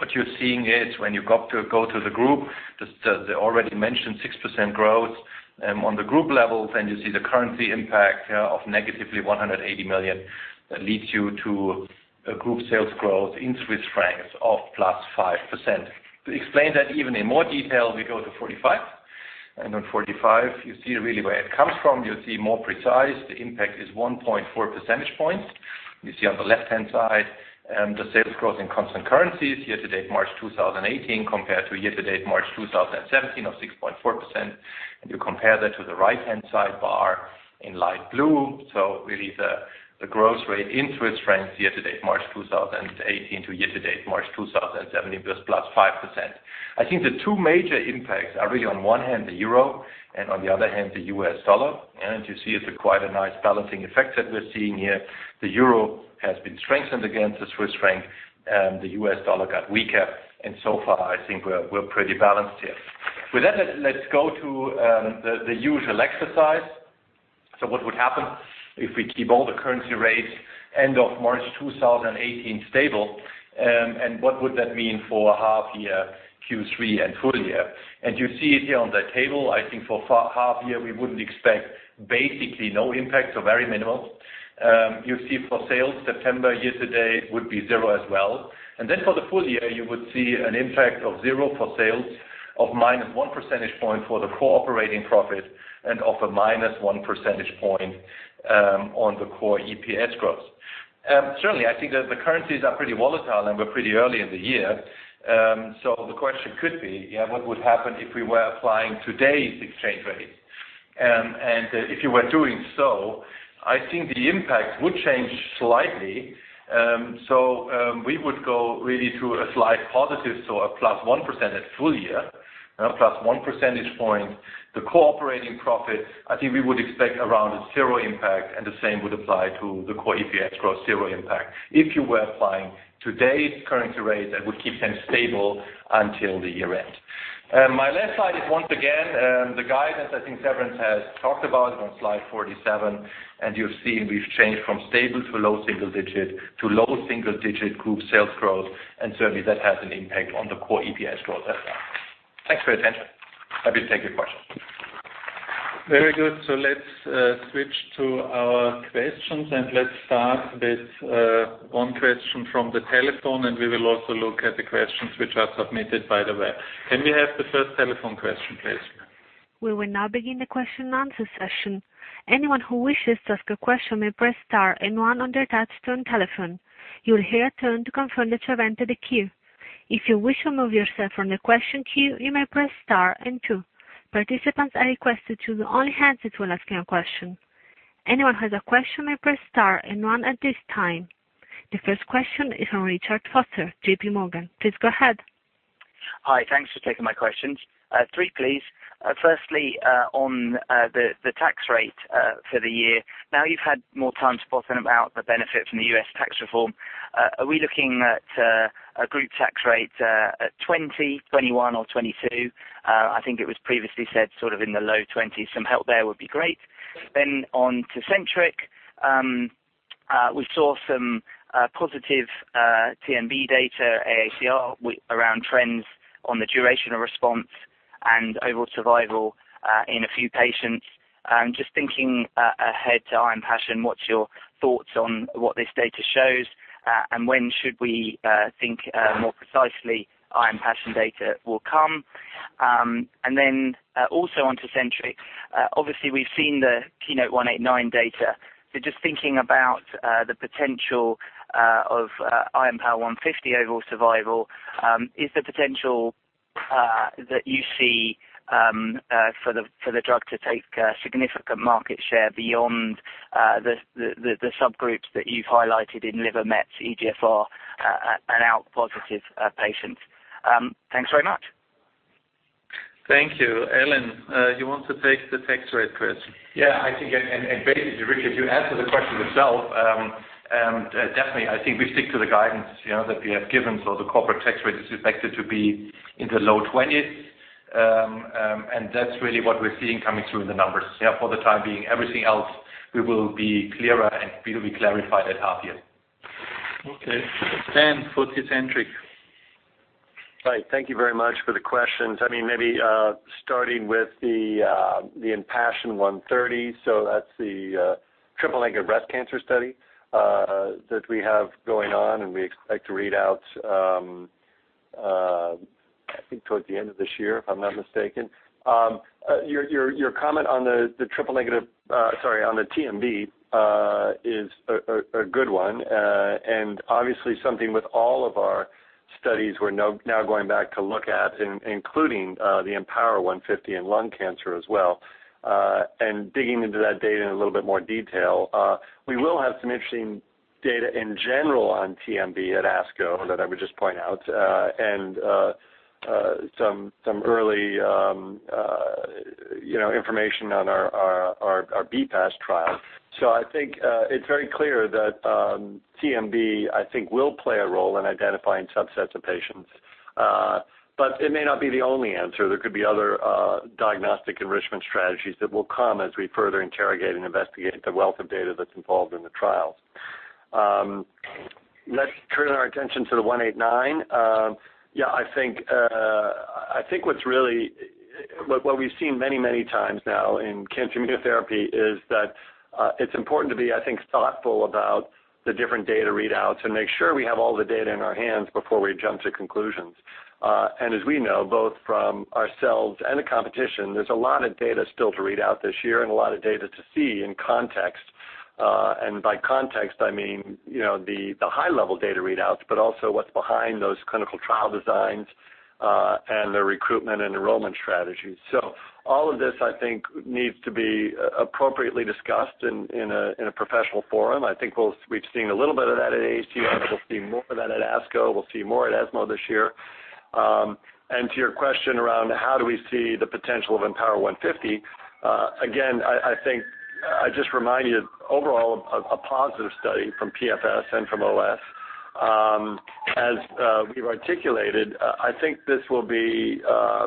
What you're seeing is when you go to the group, just the already mentioned 6% growth on the group level. You see the currency impact of negatively 180 million. That leads you to a group sales growth in CHF of +5%. To explain that even in more detail, we go to slide 45. On slide 45, you see really where it comes from. You see more precise. The impact is 1.4 percentage points. You see on the left-hand side, the sales growth in constant currencies year to date March 2018 compared to year to date March 2017 of 6.4%. You compare that to the right-hand side bar in light blue. Really the growth rate in CHF year to date March 2018 to year to date March 2017 was +5%. The 2 major impacts are really on one hand, the EUR, and on the other hand, the USD. You see it's quite a nice balancing effect that we're seeing here. The EUR has been strengthened against the CHF, the USD got weaker, and so far I think we're pretty balanced here. With that, let's go to the usual exercise. What would happen if we keep all the currency rates end of March 2018 stable, and what would that mean for half year, Q3, and full year? You see it here on the table. For half year, we wouldn't expect basically no impact, so very minimal. You see for sales September year to date would be zero as well. For the full year, you would see an impact of zero for sales, of -1 percentage point for the core operating profit, and of a -1 percentage point on the core EPS growth. Certainly, the currencies are pretty volatile, and we're pretty early in the year. The question could be, what would happen if we were applying today's exchange rates? If you were doing so, the impact would change slightly. We would go really to a slight positive, so a +1% at full year. +1 percentage point. The core operating profit, we would expect around zero impact, and the same would apply to the core EPS growth, zero impact if you were applying today's currency rates and would keep them stable until the year end. My left side is once again the guidance I think Severin has talked about on slide 47. You have seen we've changed from stable to low single-digit to low single-digit group sales growth. Certainly that has an impact on the core EPS growth as well. Thanks for your attention. Happy to take your questions. Very good. Let's switch to our questions, and let's start with one question from the telephone, and we will also look at the questions which are submitted by the web. Can we have the first telephone question, please? We will now begin the question and answer session. Anyone who wishes to ask a question may press star and one on their touch-tone telephone. You will hear a tone to confirm that you have entered the queue. If you wish to remove yourself from the question queue, you may press star and two. Participants are requested to only answer to asking a question. Anyone who has a question may press star and one at this time. The first question is from Richard Vosser, J.P. Morgan. Please go ahead. Hi. Thanks for taking my questions. Three, please. Firstly, on the tax rate for the year. Now you've had more time to talk about the benefit from the U.S. tax reform. Are we looking at a group tax rate at 20, 21 or 22? I think it was previously said sort of in the low twenties. Some help there would be great. On to Tecentriq. We saw some positive TMB data, AACR around trends on the durational response and overall survival in a few patients. Just thinking ahead to IMpassion, what's your thoughts on what this data shows? When should we think more precisely IMpassion data will come? Also on to Tecentriq. Obviously, we've seen the KEYNOTE-189 data. Just thinking about the potential of IMpower150 overall survival. Is the potential that you see for the drug to take a significant market share beyond the subgroups that you've highlighted in liver Mets, EGFR, and ALK-positive patients? Thanks very much. Thank you. Alan, do you want to take the tax rate question? Yeah, I think, basically, Richard, you answered the question yourself. Definitely, I think we stick to the guidance that we have given. The corporate tax rate is expected to be in the low 20s. That's really what we're seeing coming through in the numbers. Yeah, for the time being, everything else, we will be clearer and we will be clarified at half year. Okay. Dan, for Tecentriq. Right. Thank you very much for the questions. Maybe starting with the IMpassion130. That's the triple-negative breast cancer study that we have going on, and we expect to read out, I think, towards the end of this year, if I'm not mistaken. Your comment on the TMB is a good one. Obviously something with all of our studies we're now going back to look at, including the IMpower150 and lung cancer as well, and digging into that data in a little bit more detail. We will have some interesting data in general on TMB at ASCO that I would just point out, and some early information on our BFAST trial. I think it's very clear that TMB, I think will play a role in identifying subsets of patients. It may not be the only answer. There could be other diagnostic enrichment strategies that will come as we further interrogate and investigate the wealth of data that's involved in the trial. Let's turn our attention to the 189. I think what we've seen many times now in cancer immunotherapy is that it's important to be, I think, thoughtful about the different data readouts and make sure we have all the data in our hands before we jump to conclusions. As we know, both from ourselves and the competition, there's a lot of data still to read out this year and a lot of data to see in context. By context, I mean the high-level data readouts, but also what's behind those clinical trial designs, and their recruitment and enrollment strategies. All of this, I think, needs to be appropriately discussed in a professional forum. I think we've seen a little bit of that at AACR. We'll see more of that at ASCO. We'll see more at ESMO this year. To your question around how do we see the potential of IMpower150, again, I just remind you, overall, a positive study from PFS and from OS. As we've articulated, I think this will be a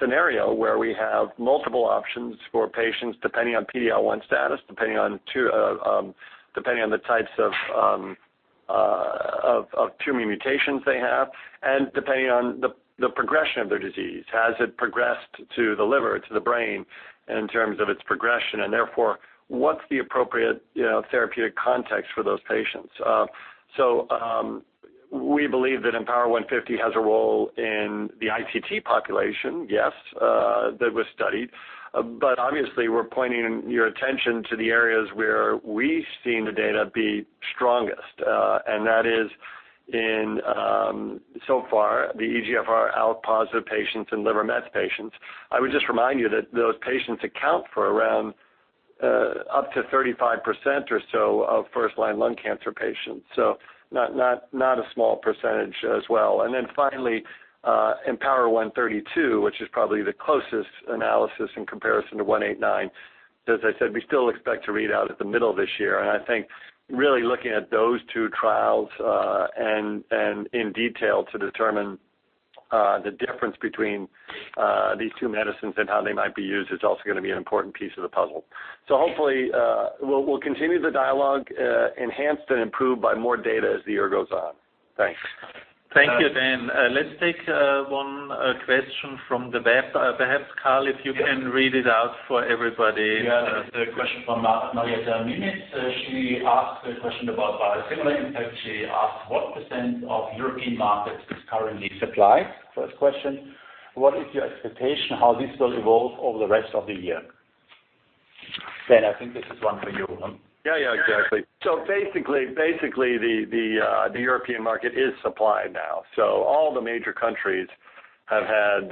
scenario where we have multiple options for patients depending on PD-L1 status, depending on the types of tumor mutations they have, and depending on the progression of their disease. Has it progressed to the liver, to the brain in terms of its progression? Therefore, what's the appropriate therapeutic context for those patients? We believe that IMpower150 has a role in the ITT population, yes, that was studied. Obviously we're pointing your attention to the areas where we've seen the data be strongest, and that is in, so far, the EGFR ALK-positive patients and liver Mets patients. I would just remind you that those patients account for around up to 35% or so of first-line lung cancer patients. Not a small percentage as well. Finally, IMpower132, which is probably the closest analysis in comparison to 189, as I said, we still expect to read out at the middle of this year. I think really looking at those two trials and in detail to determine the difference between these two medicines and how they might be used is also going to be an important piece of the puzzle. Hopefully, we'll continue the dialogue enhanced and improved by more data as the year goes on. Thanks. Thank you, Dan. Let's take one question from the web. Perhaps, Karl, if you can read it out for everybody. Yeah. This is a question from Marietta Mienert. She asked a question about biosimilar impact. She asked, "What % of European markets is currently supplied?" First question. "What is your expectation how this will evolve over the rest of the year?" Dan, I think this is one for you. Yeah, exactly. Basically, the European market is supplied now. All the major countries have had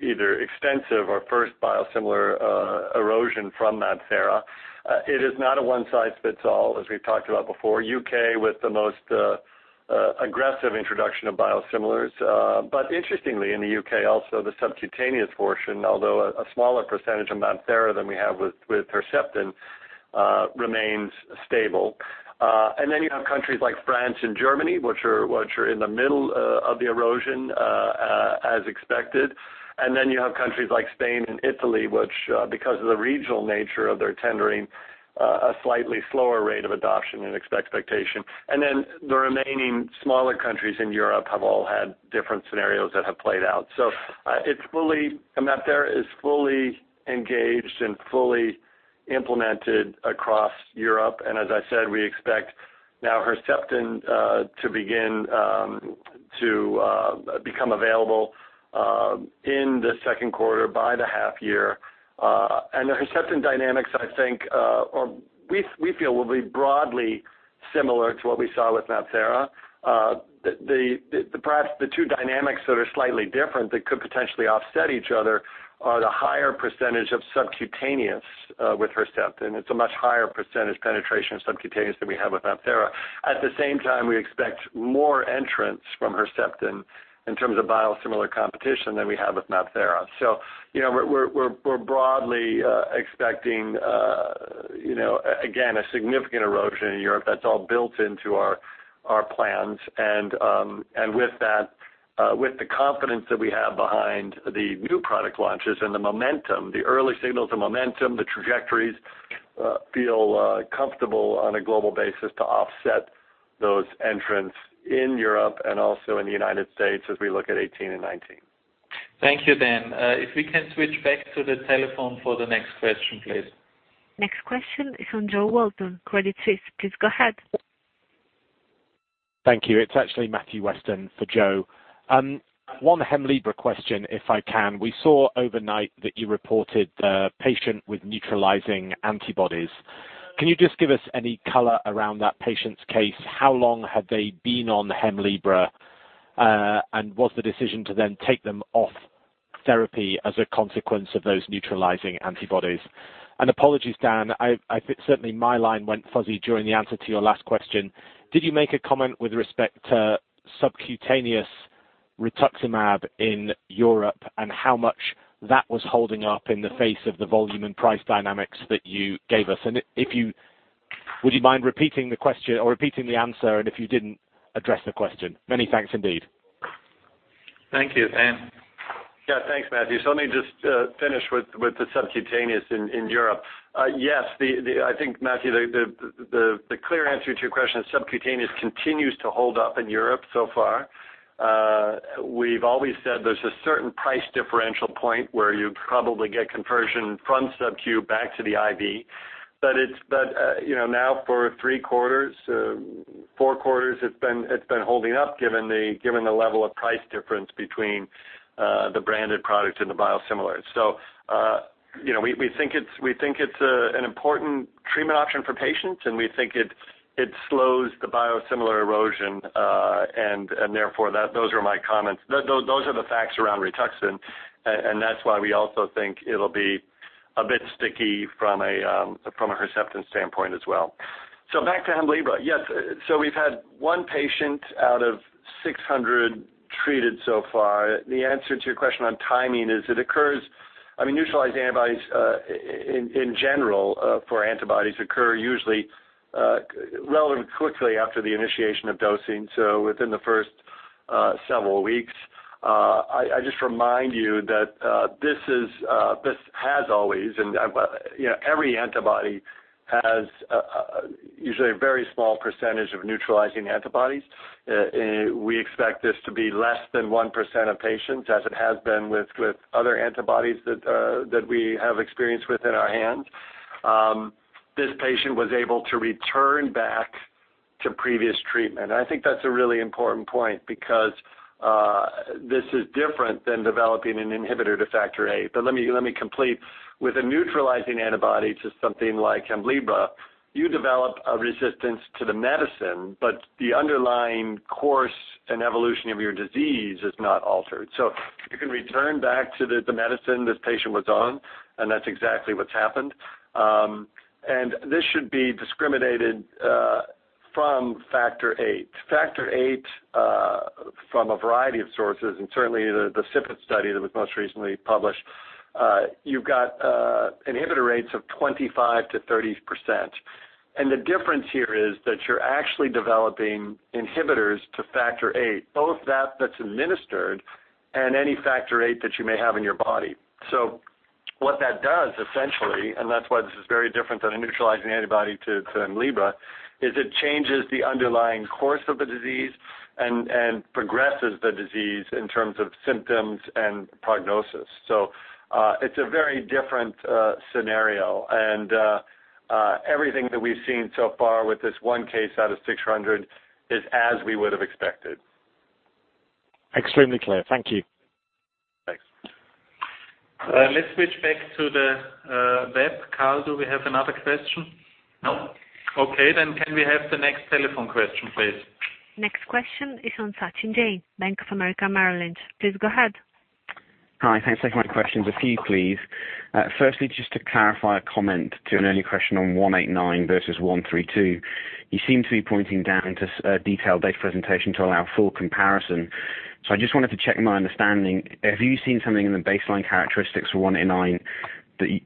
either extensive or first biosimilar erosion from MabThera. It is not a one-size-fits-all, as we've talked about before. U.K. with the most aggressive introduction of biosimilars. Interestingly, in the U.K., also, the subcutaneous portion, although a smaller % of MabThera than we have with Herceptin, remains stable. Then you have countries like France and Germany, which are in the middle of the erosion, as expected. Then you have countries like Spain and Italy, which, because of the regional nature of their tendering, a slightly slower rate of adoption and expectation. Then the remaining smaller countries in Europe have all had different scenarios that have played out. MabThera is fully engaged and fully implemented across Europe, and as I said, we expect now Herceptin to begin to become available in the second quarter by the half year. The Herceptin dynamics, I think, or we feel will be broadly similar to what we saw with MabThera. Perhaps the two dynamics that are slightly different that could potentially offset each other are the higher % of subcutaneous with Herceptin. It's a much higher % penetration of subcutaneous than we have with MabThera. At the same time, we expect more entrants from Herceptin in terms of biosimilar competition than we have with MabThera. We're broadly expecting, again, a significant erosion in Europe. That's all built into our plans. With the confidence that we have behind the new product launches and the momentum, the early signals of momentum, the trajectories feel comfortable on a global basis to offset those entrants in Europe and also in the U.S. as we look at 2018 and 2019. Thank you, Dan. If we can switch back to the telephone for the next question, please. Next question is from Jo Walton, Credit Suisse. Please go ahead. Thank you. It's actually Matthew Weston for Jo. One Hemlibra question, if I can. We saw overnight that you reported a patient with neutralizing antibodies. Can you just give us any color around that patient's case? How long had they been on Hemlibra? Was the decision to then take them off therapy as a consequence of those neutralizing antibodies? Apologies, Dan, certainly my line went fuzzy during the answer to your last question. Did you make a comment with respect to subcutaneous rituximab in Europe and how much that was holding up in the face of the volume and price dynamics that you gave us? Would you mind repeating the answer and if you didn't address the question? Many thanks, indeed. Thank you. Dan. Thanks, Matthew. Let me just finish with the subcutaneous in Europe. I think, Matthew, the clear answer to your question is subcutaneous continues to hold up in Europe so far. We've always said there's a certain price differential point where you'd probably get conversion from subcu back to the IV. Now for three quarters, four quarters, it's been holding up given the level of price difference between the branded product and the biosimilar. We think it's an important treatment option for patients, and we think it slows the biosimilar erosion, and therefore those are my comments. Those are the facts around Rituxan, and that's why we also think it'll be a bit sticky from a Herceptin standpoint as well. Back to Hemlibra. We've had one patient out of 600 treated so far. The answer to your question on timing is neutralizing antibodies, in general, for antibodies occur usually relevant quickly after the initiation of dosing, within the first several weeks. I just remind you that this has always, and every antibody has usually a very small percentage of neutralizing antibodies. We expect this to be less than 1% of patients, as it has been with other antibodies that we have experience with in our hands. This patient was able to return back to previous treatment, and I think that's a really important point because this is different than developing an inhibitor to factor VIII. Let me complete. With a neutralizing antibody to something like Hemlibra, you develop a resistance to the medicine, but the underlying course and evolution of your disease is not altered. You can return back to the medicine this patient was on, and that's exactly what's happened. This should be discriminated from factor VIII. Factor VIII, from a variety of sources, and certainly the SIPPET study that was most recently published, you've got inhibitor rates of 25%-30%. The difference here is that you're actually developing inhibitors to factor VIII, both that's administered and any factor VIII that you may have in your body. What that does essentially, and that's why this is very different than a neutralizing antibody to Hemlibra, is it changes the underlying course of the disease and progresses the disease in terms of symptoms and prognosis. It's a very different scenario, and everything that we've seen so far with this one case out of 600 is as we would've expected. Extremely clear. Thank you. Thanks. Let's switch back to the web. Karl, do we have another question? No. Okay, can we have the next telephone question, please? Next question is on Sachin Jain, Bank of America Merrill Lynch. Please go ahead. Hi. Thanks for taking my questions. A few, please. Firstly, just to clarify a comment to an earlier question on 189 versus 132. You seem to be pointing down to a detailed data presentation to allow full comparison, so I just wanted to check my understanding. Have you seen something in the baseline characteristics for 189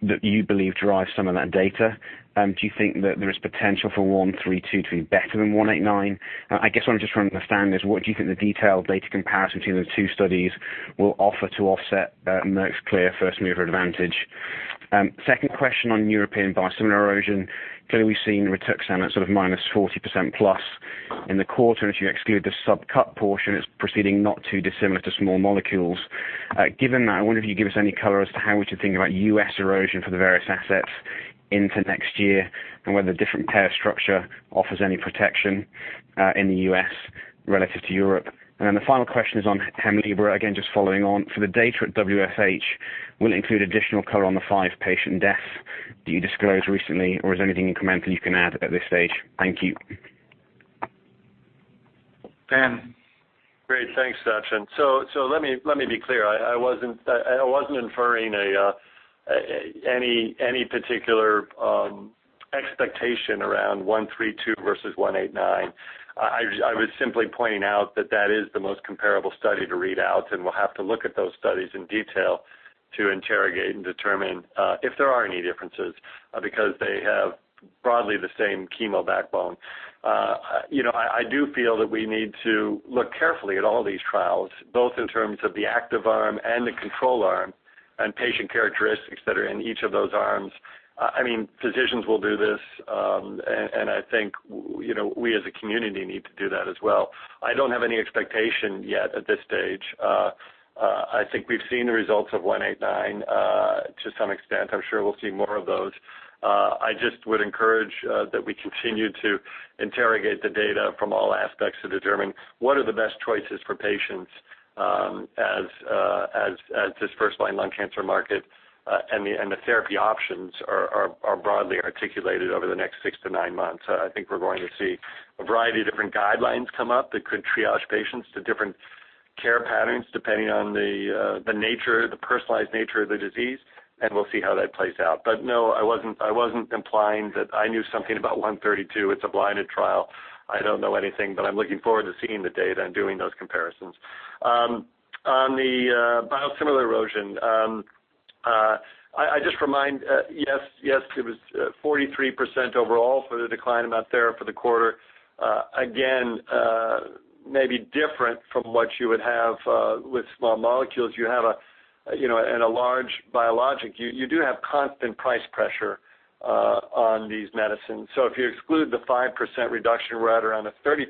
that you believe derives some of that data? Do you think that there is potential for 132 to be better than 189? I guess what I'm just trying to understand is what do you think the detailed data comparison between those two studies will offer to offset Merck's clear first-mover advantage? Second question on European biosimilar erosion. Clearly, we've seen rituximab sort of minus 40% plus in the quarter, and if you exclude the sub-cut portion, it's proceeding not too dissimilar to small molecules. Given that, I wonder if you give us any color as to how we should think about U.S. erosion for the various assets into next year and whether a different payer structure offers any protection in the U.S. relative to Europe. The final question is on Hemlibra, again, just following on. For the data at WFH, will it include additional color on the five patient deaths that you disclosed recently, or is there anything incremental you can add at this stage? Thank you. Dan? Great. Thanks, Sachin. Let me be clear. I wasn't inferring any particular expectation around 132 versus 189. I was simply pointing out that that is the most comparable study to read out, and we'll have to look at those studies in detail to interrogate and determine if there are any differences, because they have broadly the same chemo backbone. I do feel that we need to look carefully at all these trials, both in terms of the active arm and the control arm and patient characteristics that are in each of those arms. Physicians will do this, and I think we as a community need to do that as well. I don't have any expectation yet at this stage. I think we've seen the results of 189 to some extent. I'm sure we'll see more of those. I just would encourage that we continue to interrogate the data from all aspects to determine what are the best choices for patients as this first-line lung cancer market and the therapy options are broadly articulated over the next six to nine months. I think we're going to see a variety of different guidelines come up that could triage patients to different care patterns depending on the personalized nature of the disease, and we'll see how that plays out. No, I wasn't implying that I knew something about 132. It's a blinded trial. I don't know anything, but I'm looking forward to seeing the data and doing those comparisons. On the biosimilar erosion, Yes, it was 43% overall for the decline in MabThera for the quarter. Maybe different from what you would have with small molecules; in a large biologic, you do have constant price pressure on these medicines. If you exclude the 5% reduction, we're at around a 38%,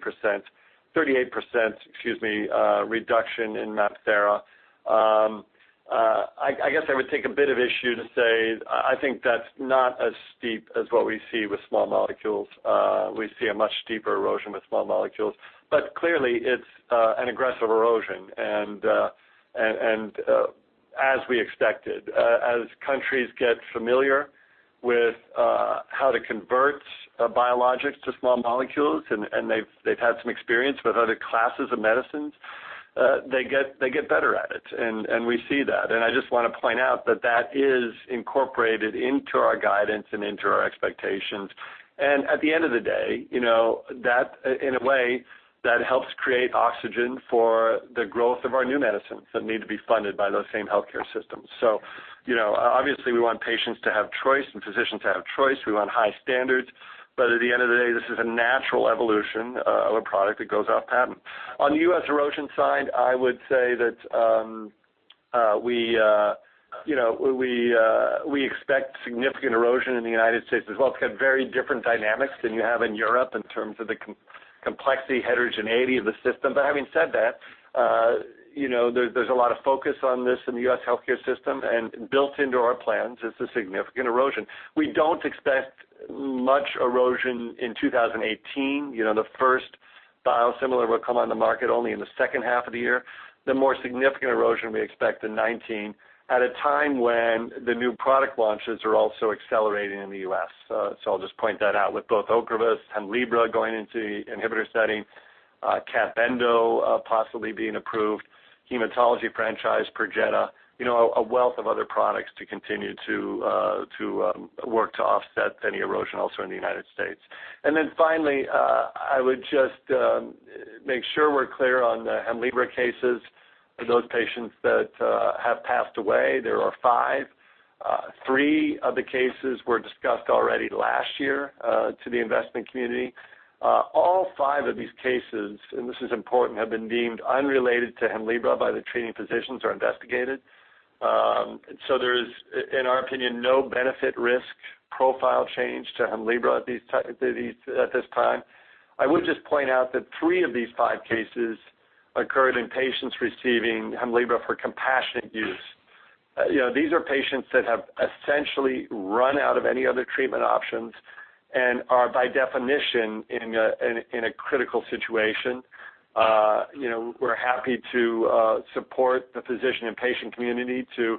excuse me, reduction in MabThera. I guess I would take a bit of issue to say I think that's not as steep as what we see with small molecules. We see a much steeper erosion with small molecules. Clearly it's an aggressive erosion, and as we expected. As countries get familiar with how to convert biologics to small molecules, and they've had some experience with other classes of medicines, they get better at it, and we see that. I just want to point out that that is incorporated into our guidance and into our expectations. At the end of the day, in a way, that helps create oxygen for the growth of our new medicines that need to be funded by those same healthcare systems. Obviously we want patients to have choice and physicians to have choice. We want high standards. At the end of the day, this is a natural evolution of a product that goes off patent. On the U.S. erosion side, I would say that we expect significant erosion in the United States as well. It's got very different dynamics than you have in Europe in terms of the complexity, heterogeneity of the system. Having said that, there's a lot of focus on this in the U.S. healthcare system, and built into our plans is a significant erosion. We don't expect much erosion in 2018. The first biosimilar will come on the market only in the second half of the year. The more significant erosion we expect in 2019, at a time when the new product launches are also accelerating in the U.S. I'll just point that out with both Ocrevus, Hemlibra going into the inhibitor setting, S-033188 possibly being approved, hematology franchise, Perjeta. A wealth of other products to continue to work to offset any erosion also in the United States. Finally, I would just make sure we're clear on the Hemlibra cases for those patients that have passed away. There are five. Three of the cases were discussed already last year to the investment community. All five of these cases, and this is important, have been deemed unrelated to Hemlibra by the treating physicians or investigators. There is, in our opinion, no benefit risk profile change to Hemlibra at this time. I would just point out that three of these five cases occurred in patients receiving Hemlibra for compassionate use. These are patients that have essentially run out of any other treatment options and are, by definition, in a critical situation. We're happy to support the physician and patient community to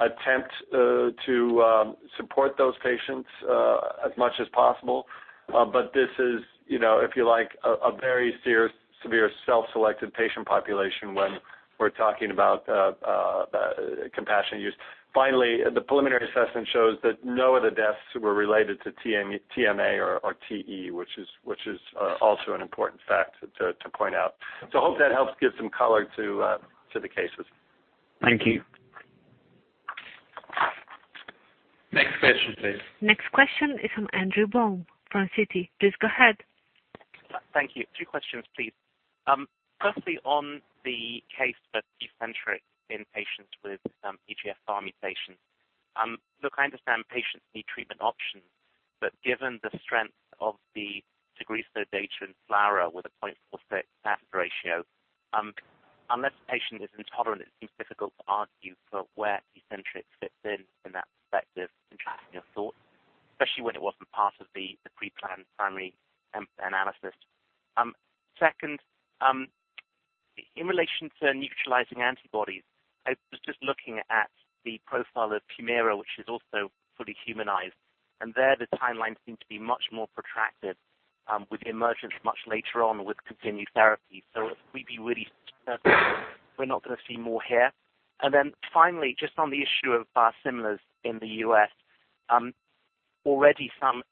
attempt to support those patients as much as possible. This is, if you like, a very severe self-selected patient population when we're talking about compassionate use. Finally, the preliminary assessment shows that no other deaths were related to TMA or TE, which is also an important fact to point out. Hope that helps give some color to the cases. Thank you. Next question, please. Next question is from Andrew Baum from Citi. Please go ahead. Thank you. Two questions, please. Firstly, on the case for KEYTRUDA in patients with EGFR mutations. Look, I understand patients need treatment options, but given the strength of the TAGRISSO data in FLAURA with a 0.46 hazard ratio, unless a patient is intolerant, it seems difficult to argue for where KEYTRUDA fits in from that perspective, in tracking your thoughts, especially when it wasn't part of the pre-planned primary analysis. Second, in relation to neutralizing antibodies, I was just looking at the profile of HUMIRA, which is also fully humanized, and there the timeline seemed to be much more protracted with emergence much later on with continued therapy. Would we be really certain that we're not going to see more here? Finally, just on the issue of biosimilars in the U.S., already some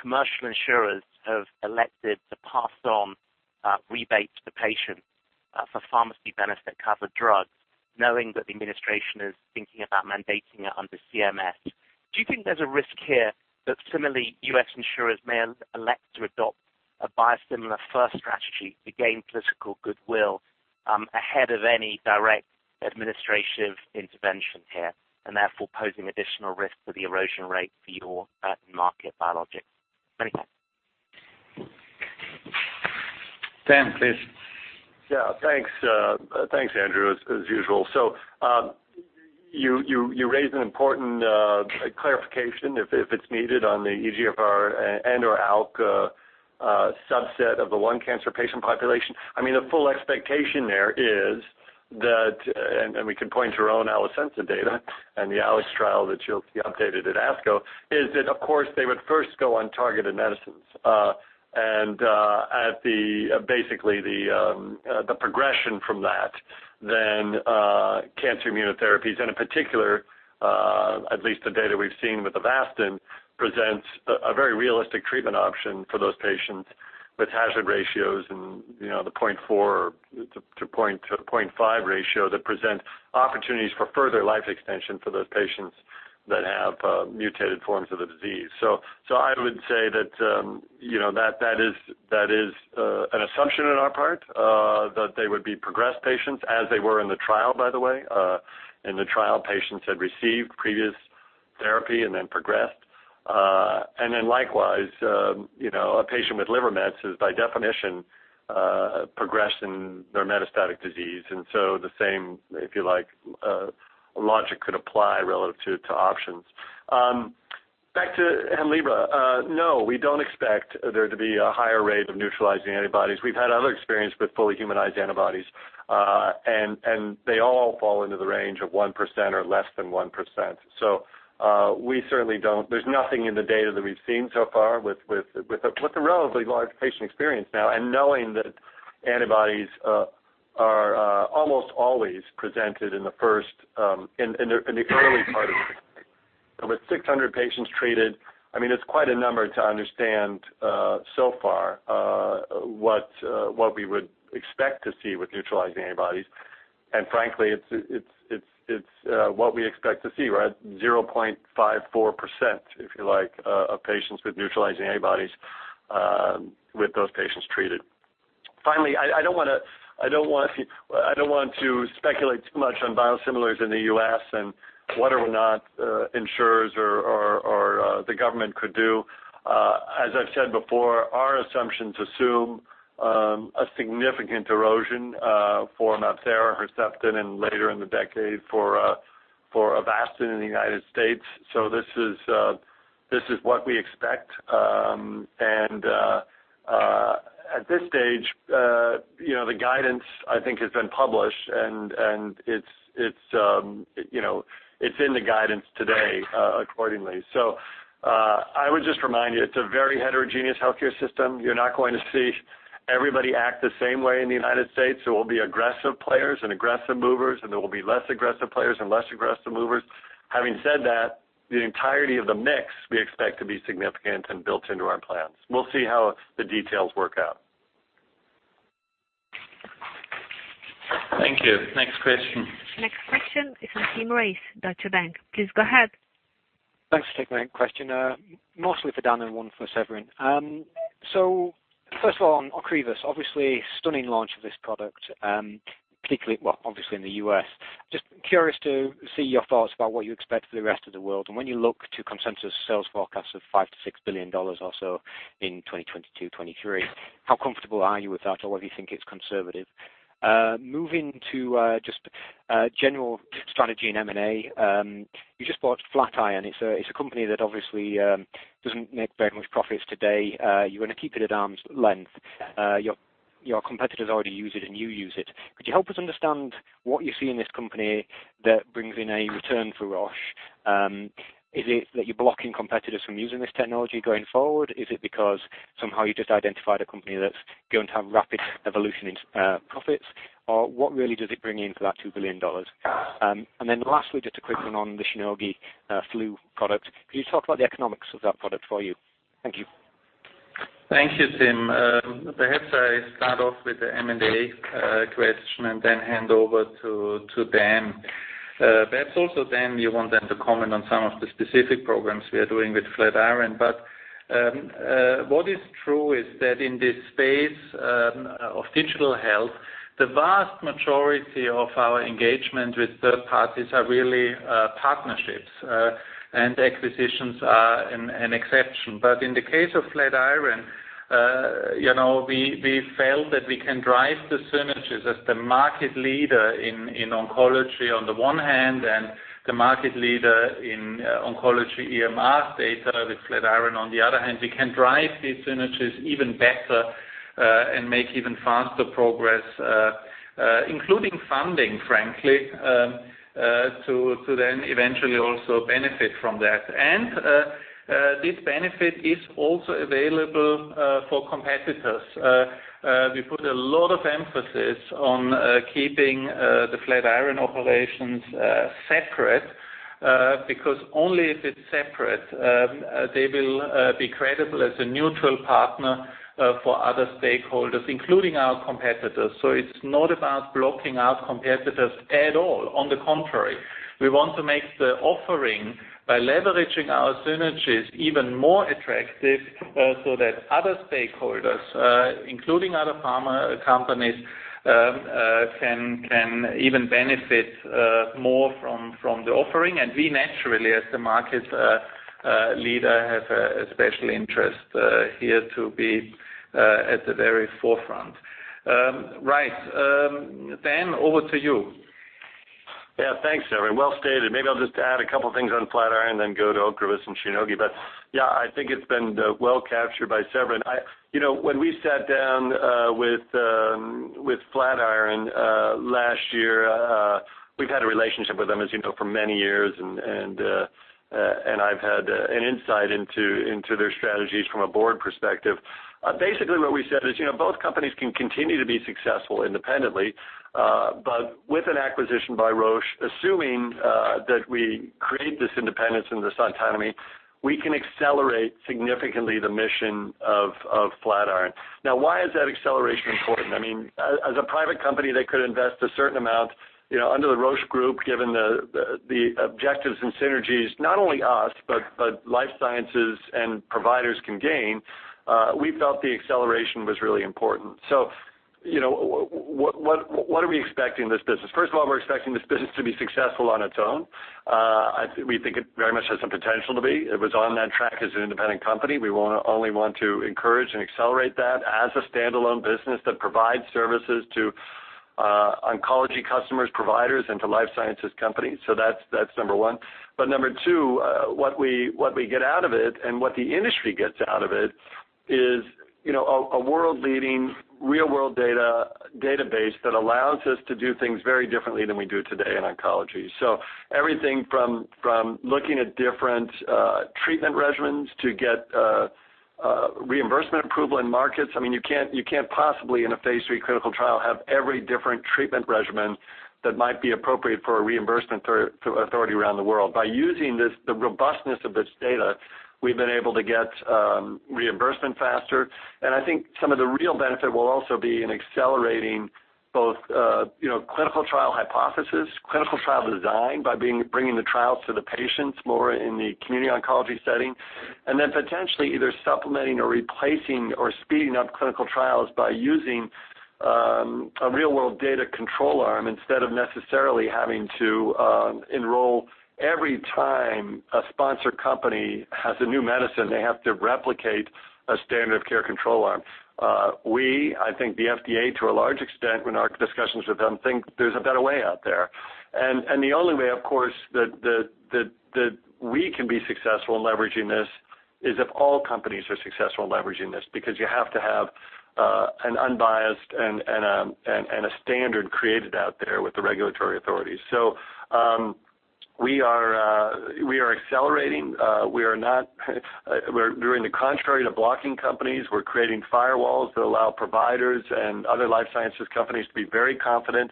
commercial insurers have elected to pass on rebates to patients for pharmacy benefit covered drugs, knowing that the administration is thinking about mandating it under CMS. Do you think there's a risk here that similarly, U.S. insurers may elect to adopt a biosimilar first strategy to gain political goodwill ahead of any direct administrative intervention here, therefore posing additional risk for the erosion rate for your market biologics? Many thanks. Dan, please. Thanks Andrew, as usual. You raise an important clarification if it's needed on the EGFR and/or ALK subset of the lung cancer patient population. The full expectation there is that, and we can point to our own Alecensa data and the ALEX trial that you'll see updated at ASCO, is that of course they would first go on targeted medicines. At basically the progression from that, then cancer immunotherapies, and in particular, at least the data we've seen with Avastin, presents a very realistic treatment option for those patients with hazard ratios and the 0.4-0.5 ratio that present opportunities for further life extension for those patients that have mutated forms of the disease. I would say that is an assumption on our part, that they would be progressed patients as they were in the trial, by the way. In the trial, patients had received previous therapy and then progressed. Likewise, a patient with liver mets is by definition progressed in their metastatic disease. The same, if you like, logic could apply relative to options. Back to Hemlibra. No, we don't expect there to be a higher rate of neutralizing antibodies. We've had other experience with fully humanized antibodies, and they all fall into the range of 1% or less than 1%. There's nothing in the data that we've seen so far with the relatively large patient experience now, and knowing that antibodies are almost always presented in the early part of the study. With 600 patients treated, it's quite a number to understand so far what we would expect to see with neutralizing antibodies. Frankly, it's what we expect to see, right? 0.54%, if you like, of patients with neutralizing antibodies with those patients treated. Finally, I don't want to speculate too much on biosimilars in the U.S. and what or not insurers or the government could do. As I've said before, our assumptions assume a significant erosion for MabThera, Herceptin, and later in the decade for Avastin in the U.S. This is what we expect. At this stage, the guidance I think has been published, and it's in the guidance today accordingly. I would just remind you, it's a very heterogeneous healthcare system. You're not going to see everybody act the same way in the U.S. There will be aggressive players and aggressive movers, and there will be less aggressive players and less aggressive movers. Having said that, the entirety of the mix we expect to be significant and built into our plans. We'll see how the details work out. Thank you. Next question. Next question is from Tim Race, Deutsche Bank. Please go ahead. Thanks for taking my question. Mostly for Dan and one for Severin. First of all, on Ocrevus, obviously stunning launch of this product, particularly, well, obviously in the U.S. Just curious to see your thoughts about what you expect for the rest of the world. When you look to consensus sales forecast of CHF 5 billion-CHF 6 billion or so in 2022, 2023, how comfortable are you with that, or whether you think it's conservative? Moving to just general strategy in M&A. You just bought Flatiron. It's a company that obviously doesn't make very much profits today. You want to keep it at arm's length. Your competitors already use it, and you use it. Could you help us understand what you see in this company that brings in a return for Roche? Is it that you're blocking competitors from using this technology going forward? Is it because somehow you just identified a company that's going to have rapid evolution in profits? What really does it bring in for that CHF 2 billion? Lastly, just a quick one on the Shionogi flu product. Could you talk about the economics of that product for you? Thank you. Thank you, Tim. Perhaps I start off with the M&A question and then hand over to Dan. That's also Dan, you want Dan to comment on some of the specific programs we are doing with Flatiron. What is true is that in this space of digital health, the vast majority of our engagement with third parties are really partnerships, and acquisitions are an exception. In the case of Flatiron, we felt that we can drive the synergies as the market leader in oncology on the one hand and the market leader in oncology EMR data with Flatiron on the other hand. We can drive these synergies even better and make even faster progress, including funding, frankly, to then eventually also benefit from that. This benefit is also available for competitors. We put a lot of emphasis on keeping the Flatiron operations separate, because only if it's separate they will be credible as a neutral partner for other stakeholders, including our competitors. It's not about blocking out competitors at all. On the contrary, we want to make the offering by leveraging our synergies even more attractive so that other stakeholders, including other pharma companies, can even benefit more from the offering. We naturally, as the market leader, have a special interest here to be at the very forefront. Right. Dan, over to you. Yeah, thanks, Severin. Well stated. Maybe I'll just add a couple things on Flatiron, then go to Ocrevus and Shionogi. Yeah, I think it's been well captured by Severin. When we sat down with Flatiron last year, we've had a relationship with them, as you know, for many years, and I've had an insight into their strategies from a board perspective. Basically what we said is both companies can continue to be successful independently. With an acquisition by Roche, assuming that we create this independence and this autonomy, we can accelerate significantly the mission of Flatiron. Why is that acceleration important? As a private company, they could invest a certain amount. Under the Roche Group, given the objectives and synergies, not only us, but life sciences and providers can gain, we felt the acceleration was really important. What are we expecting in this business? First of all, we're expecting this business to be successful on its own. We think it very much has some potential to be. It was on that track as an independent company. We only want to encourage and accelerate that as a standalone business that provides services to oncology customers, providers, and to life sciences companies. That's number 1. Number 2, what we get out of it and what the industry gets out of it is a world-leading real world data database that allows us to do things very differently than we do today in oncology. Everything from looking at different treatment regimens to get reimbursement approval in markets. You can't possibly, in a phase III clinical trial, have every different treatment regimen that might be appropriate for a reimbursement authority around the world. By using the robustness of this data, we've been able to get reimbursement faster, and I think some of the real benefit will also be in accelerating both clinical trial hypothesis, clinical trial design, by bringing the trials to the patients more in the community oncology setting, and then potentially either supplementing or replacing or speeding up clinical trials by using a real world data control arm instead of necessarily having to enroll every time a sponsor company has a new medicine, they have to replicate a standard of care control arm. We, I think the FDA to a large extent in our discussions with them, think there's a better way out there. The only way, of course, that we can be successful in leveraging this is if all companies are successful in leveraging this, because you have to have an unbiased and a standard created out there with the regulatory authorities. We are accelerating. We're doing the contrary to blocking companies. We're creating firewalls that allow providers and other life sciences companies to be very confident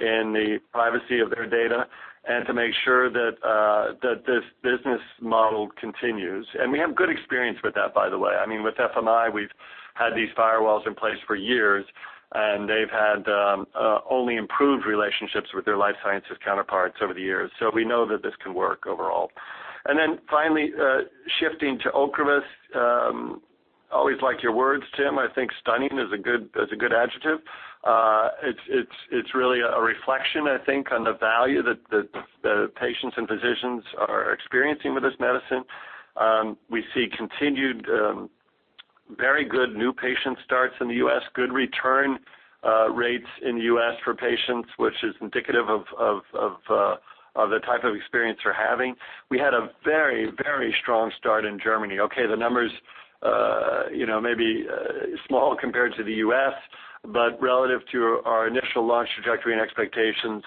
in the privacy of their data And to make sure that this business model continues. We have good experience with that, by the way. With FMI, we've had these firewalls in place for years, and they've had only improved relationships with their life sciences counterparts over the years. We know that this can work overall. Then finally, shifting to Ocrevus. Always like your words, Tim. I think stunning is a good adjective. It's really a reflection, I think, on the value that the patients and physicians are experiencing with this medicine. We see continued very good new patient starts in the U.S., good return rates in the U.S. for patients, which is indicative of the type of experience they're having. We had a very, very strong start in Germany. Okay, the numbers may be small compared to the U.S., but relative to our initial launch trajectory and expectations,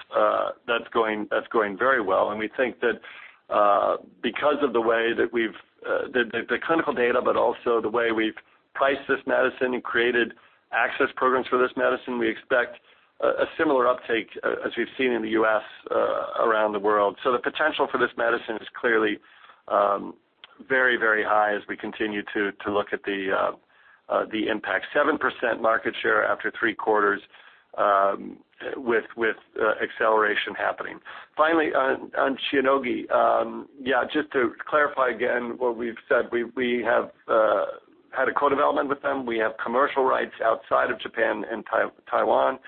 that's going very well. We think that because of the way that we've the clinical data, but also the way we've priced this medicine and created access programs for this medicine, we expect a similar uptake as we've seen in the U.S. around the world. The potential for this medicine is clearly very, very high as we continue to look at the impact. 7% market share after three quarters with acceleration happening. Finally, on Shionogi. Yeah, just to clarify again what we've said, we have had a co-development with them. We have commercial rights outside of Japan and Taiwan.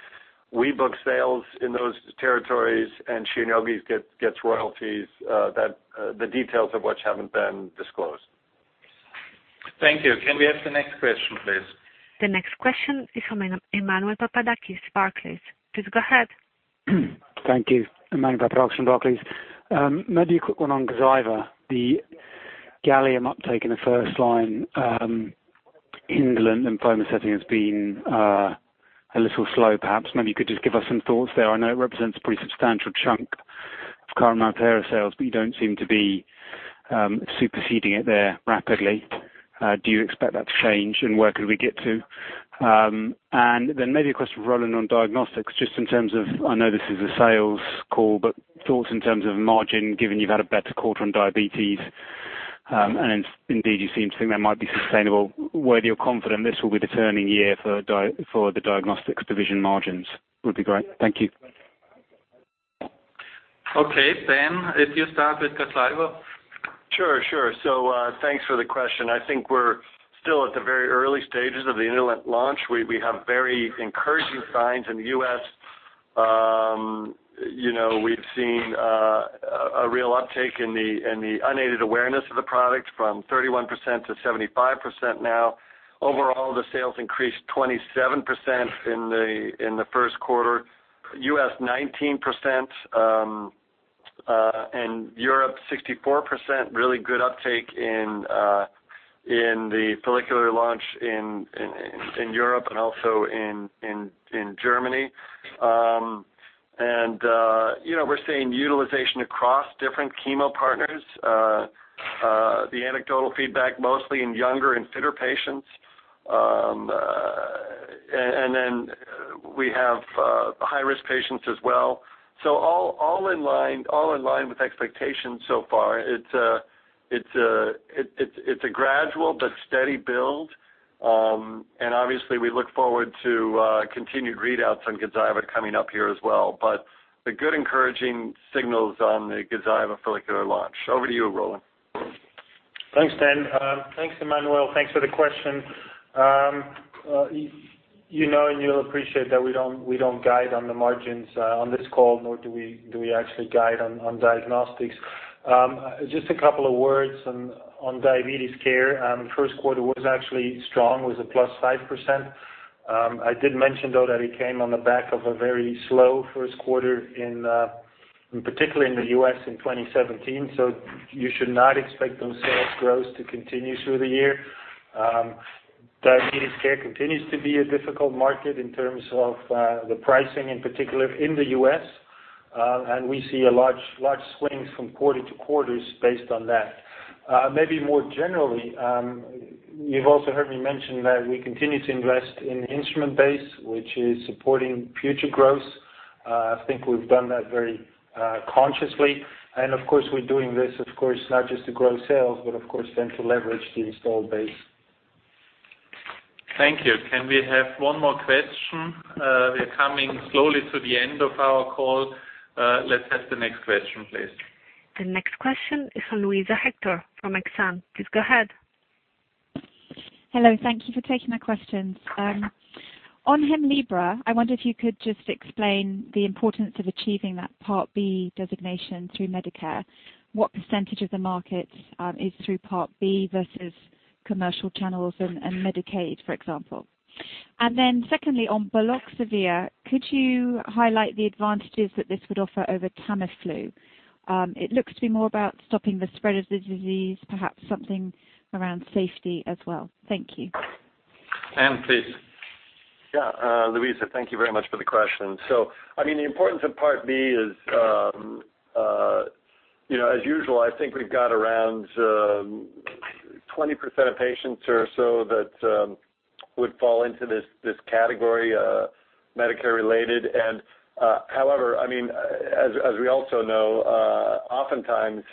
We book sales in those territories, and Shionogi gets royalties, the details of which haven't been disclosed. Thank you. Can we have the next question, please? The next question is from Emmanuel Papadakis, Barclays. Please go ahead. Thank you. Emmanuel Papadakis, from Barclays. Maybe a quick one on Gazyva. The GALLIUM uptake in the first line in the indolent lymphoma setting has been a little slow, perhaps. Maybe you could just give us some thoughts there. I know it represents a pretty substantial chunk of current lung cancer sales., but you don't seem to be superseding it there rapidly. Do you expect that to change, and where could we get to? Maybe a question for Roland on Diagnostics, just in terms of, I know this is a sales call, but thoughts in terms of margin, given you've had a better quarter on diabetes, and indeed, you seem to think that might be sustainable, whether you're confident this will be the turning year for the Diagnostics Division margins would be great. Thank you. Okay. Dan, if you start with Gazyva. Sure. Thanks for the question. I think we're still at the very early stages of the indolent launch. We have very encouraging signs in the U.S. We've seen a real uptake in the unaided awareness of the product from 31% to 75% now. Overall, the sales increased 27% in the first quarter, U.S. 19%, and Europe 64%. Really good uptake in the follicular launch in Europe and also in Germany. We're seeing utilization across different chemo partners. The anecdotal feedback, mostly in younger and fitter patients. We have high-risk patients as well. All in line with expectations so far. It's a gradual but steady build. Obviously, we look forward to continued readouts on Gazyva coming up here as well. The good encouraging signals on the Gazyva follicular launch. Over to you, Roland. Thanks, Dan. Thanks, Emmanuel. Thanks for the question. You know, you'll appreciate that we don't guide on the margins on this call, nor do we actually guide on Diagnostics. Just a couple of words on diabetes care. First quarter was actually strong. It was a +5%. I did mention, though, that it came on the back of a very slow first quarter in particular in the U.S. in 2017. You should not expect those sales growths to continue through the year. Diabetes care continues to be a difficult market in terms of the pricing, in particular in the U.S. We see large swings from quarter to quarters based on that. Maybe more generally, you've also heard me mention that we continue to invest in instrument base, which is supporting future growth. I think we've done that very consciously. Of course, we're doing this, of course, not just to grow sales, but of course, then to leverage the installed base. Thank you. Can we have one more question? We're coming slowly to the end of our call. Let's have the next question, please. The next question is from Luisa Hector from Exane. Please go ahead. Hello. Thank you for taking my questions. On Hemlibra, I wonder if you could just explain the importance of achieving that Part B designation through Medicare. What percentage of the market is through Part B versus commercial channels and Medicaid, for example? Then secondly, on baloxavir, could you highlight the advantages that this would offer over Tamiflu? It looks to be more about stopping the spread of the disease, perhaps something around safety as well. Thank you. Dan, please. Luisa, thank you very much for the question. The importance of Part B is. As usual, I think we've got around 20% of patients or so that would fall into this category, Medicare-related. However, as we also know, oftentimes,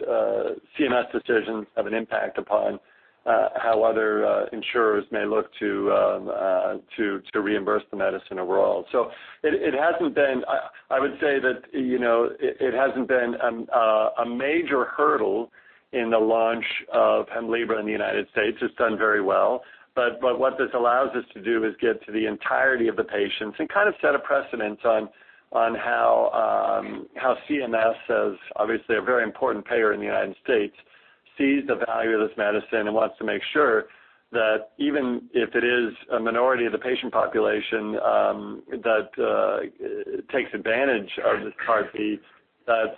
CMS decisions have an impact upon how other insurers may look to reimburse the medicine overall. I would say that it hasn't been a major hurdle in the launch of Hemlibra in the U.S. It's done very well. What this allows us to do is get to the entirety of the patients and set a precedent on how CMS as, obviously, a very important payer in the U.S., sees the value of this medicine and wants to make sure that even if it is a minority of the patient population that takes advantage of this Part B, that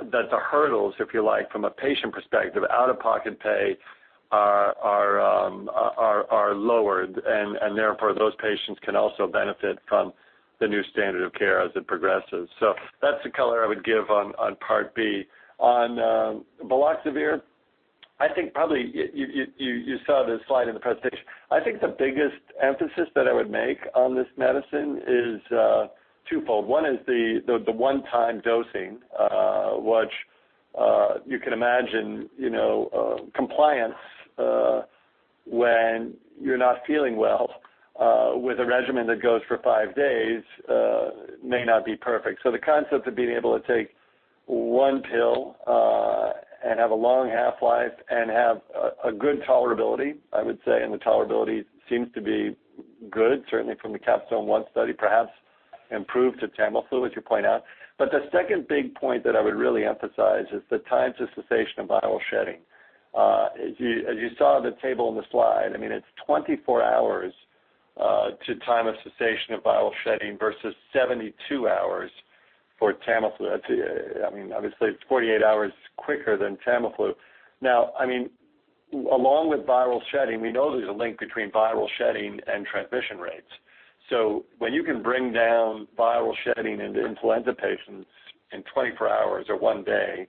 the hurdles, if you like, from a patient perspective, out-of-pocket pay are lowered, and therefore, those patients can also benefit from the new standard of care as it progresses. That's the color I would give on Part B. On baloxavir, I think probably you saw the slide in the presentation. I think the biggest emphasis that I would make on this medicine is twofold. One is the one-time dosing, which you can imagine compliance when you're not feeling well with a regimen that goes for five days may not be perfect. The concept of being able to take one pill and have a long half-life and have a good tolerability, I would say, and the tolerability seems to be good, certainly from the CAPSTONE-1 study, perhaps improved to Tamiflu, as you point out. The second big point that I would really emphasize is the time to cessation of viral shedding. As you saw on the table in the slide, it's 24 hours to time of cessation of viral shedding versus 72 hours for Tamiflu. Obviously, it's 48 hours quicker than Tamiflu. Along with viral shedding, we know there's a link between viral shedding and transmission rates. When you can bring down viral shedding into influenza patients in 24 hours or one day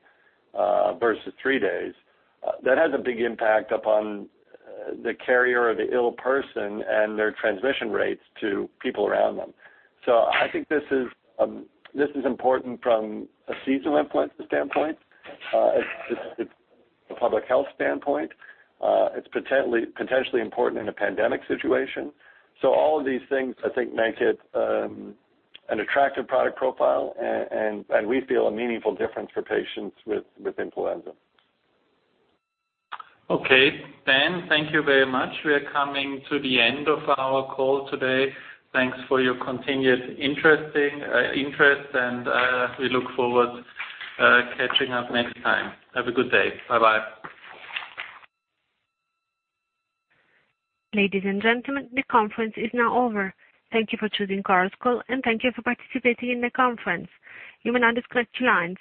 versus three days, that has a big impact upon the carrier or the ill person and their transmission rates to people around them. I think this is important from a seasonal influenza standpoint, a public health standpoint. It's potentially important in a pandemic situation. All of these things, I think, make it an attractive product profile, and we feel a meaningful difference for patients with influenza. Okay. Dan, thank you very much. We are coming to the end of our call today. Thanks for your continued interest, and we look forward catching up next time. Have a good day. Bye-bye. Ladies and gentlemen, the conference is now over. Thank you for choosing Chorus Call, and thank you for participating in the conference. You may now disconnect your lines.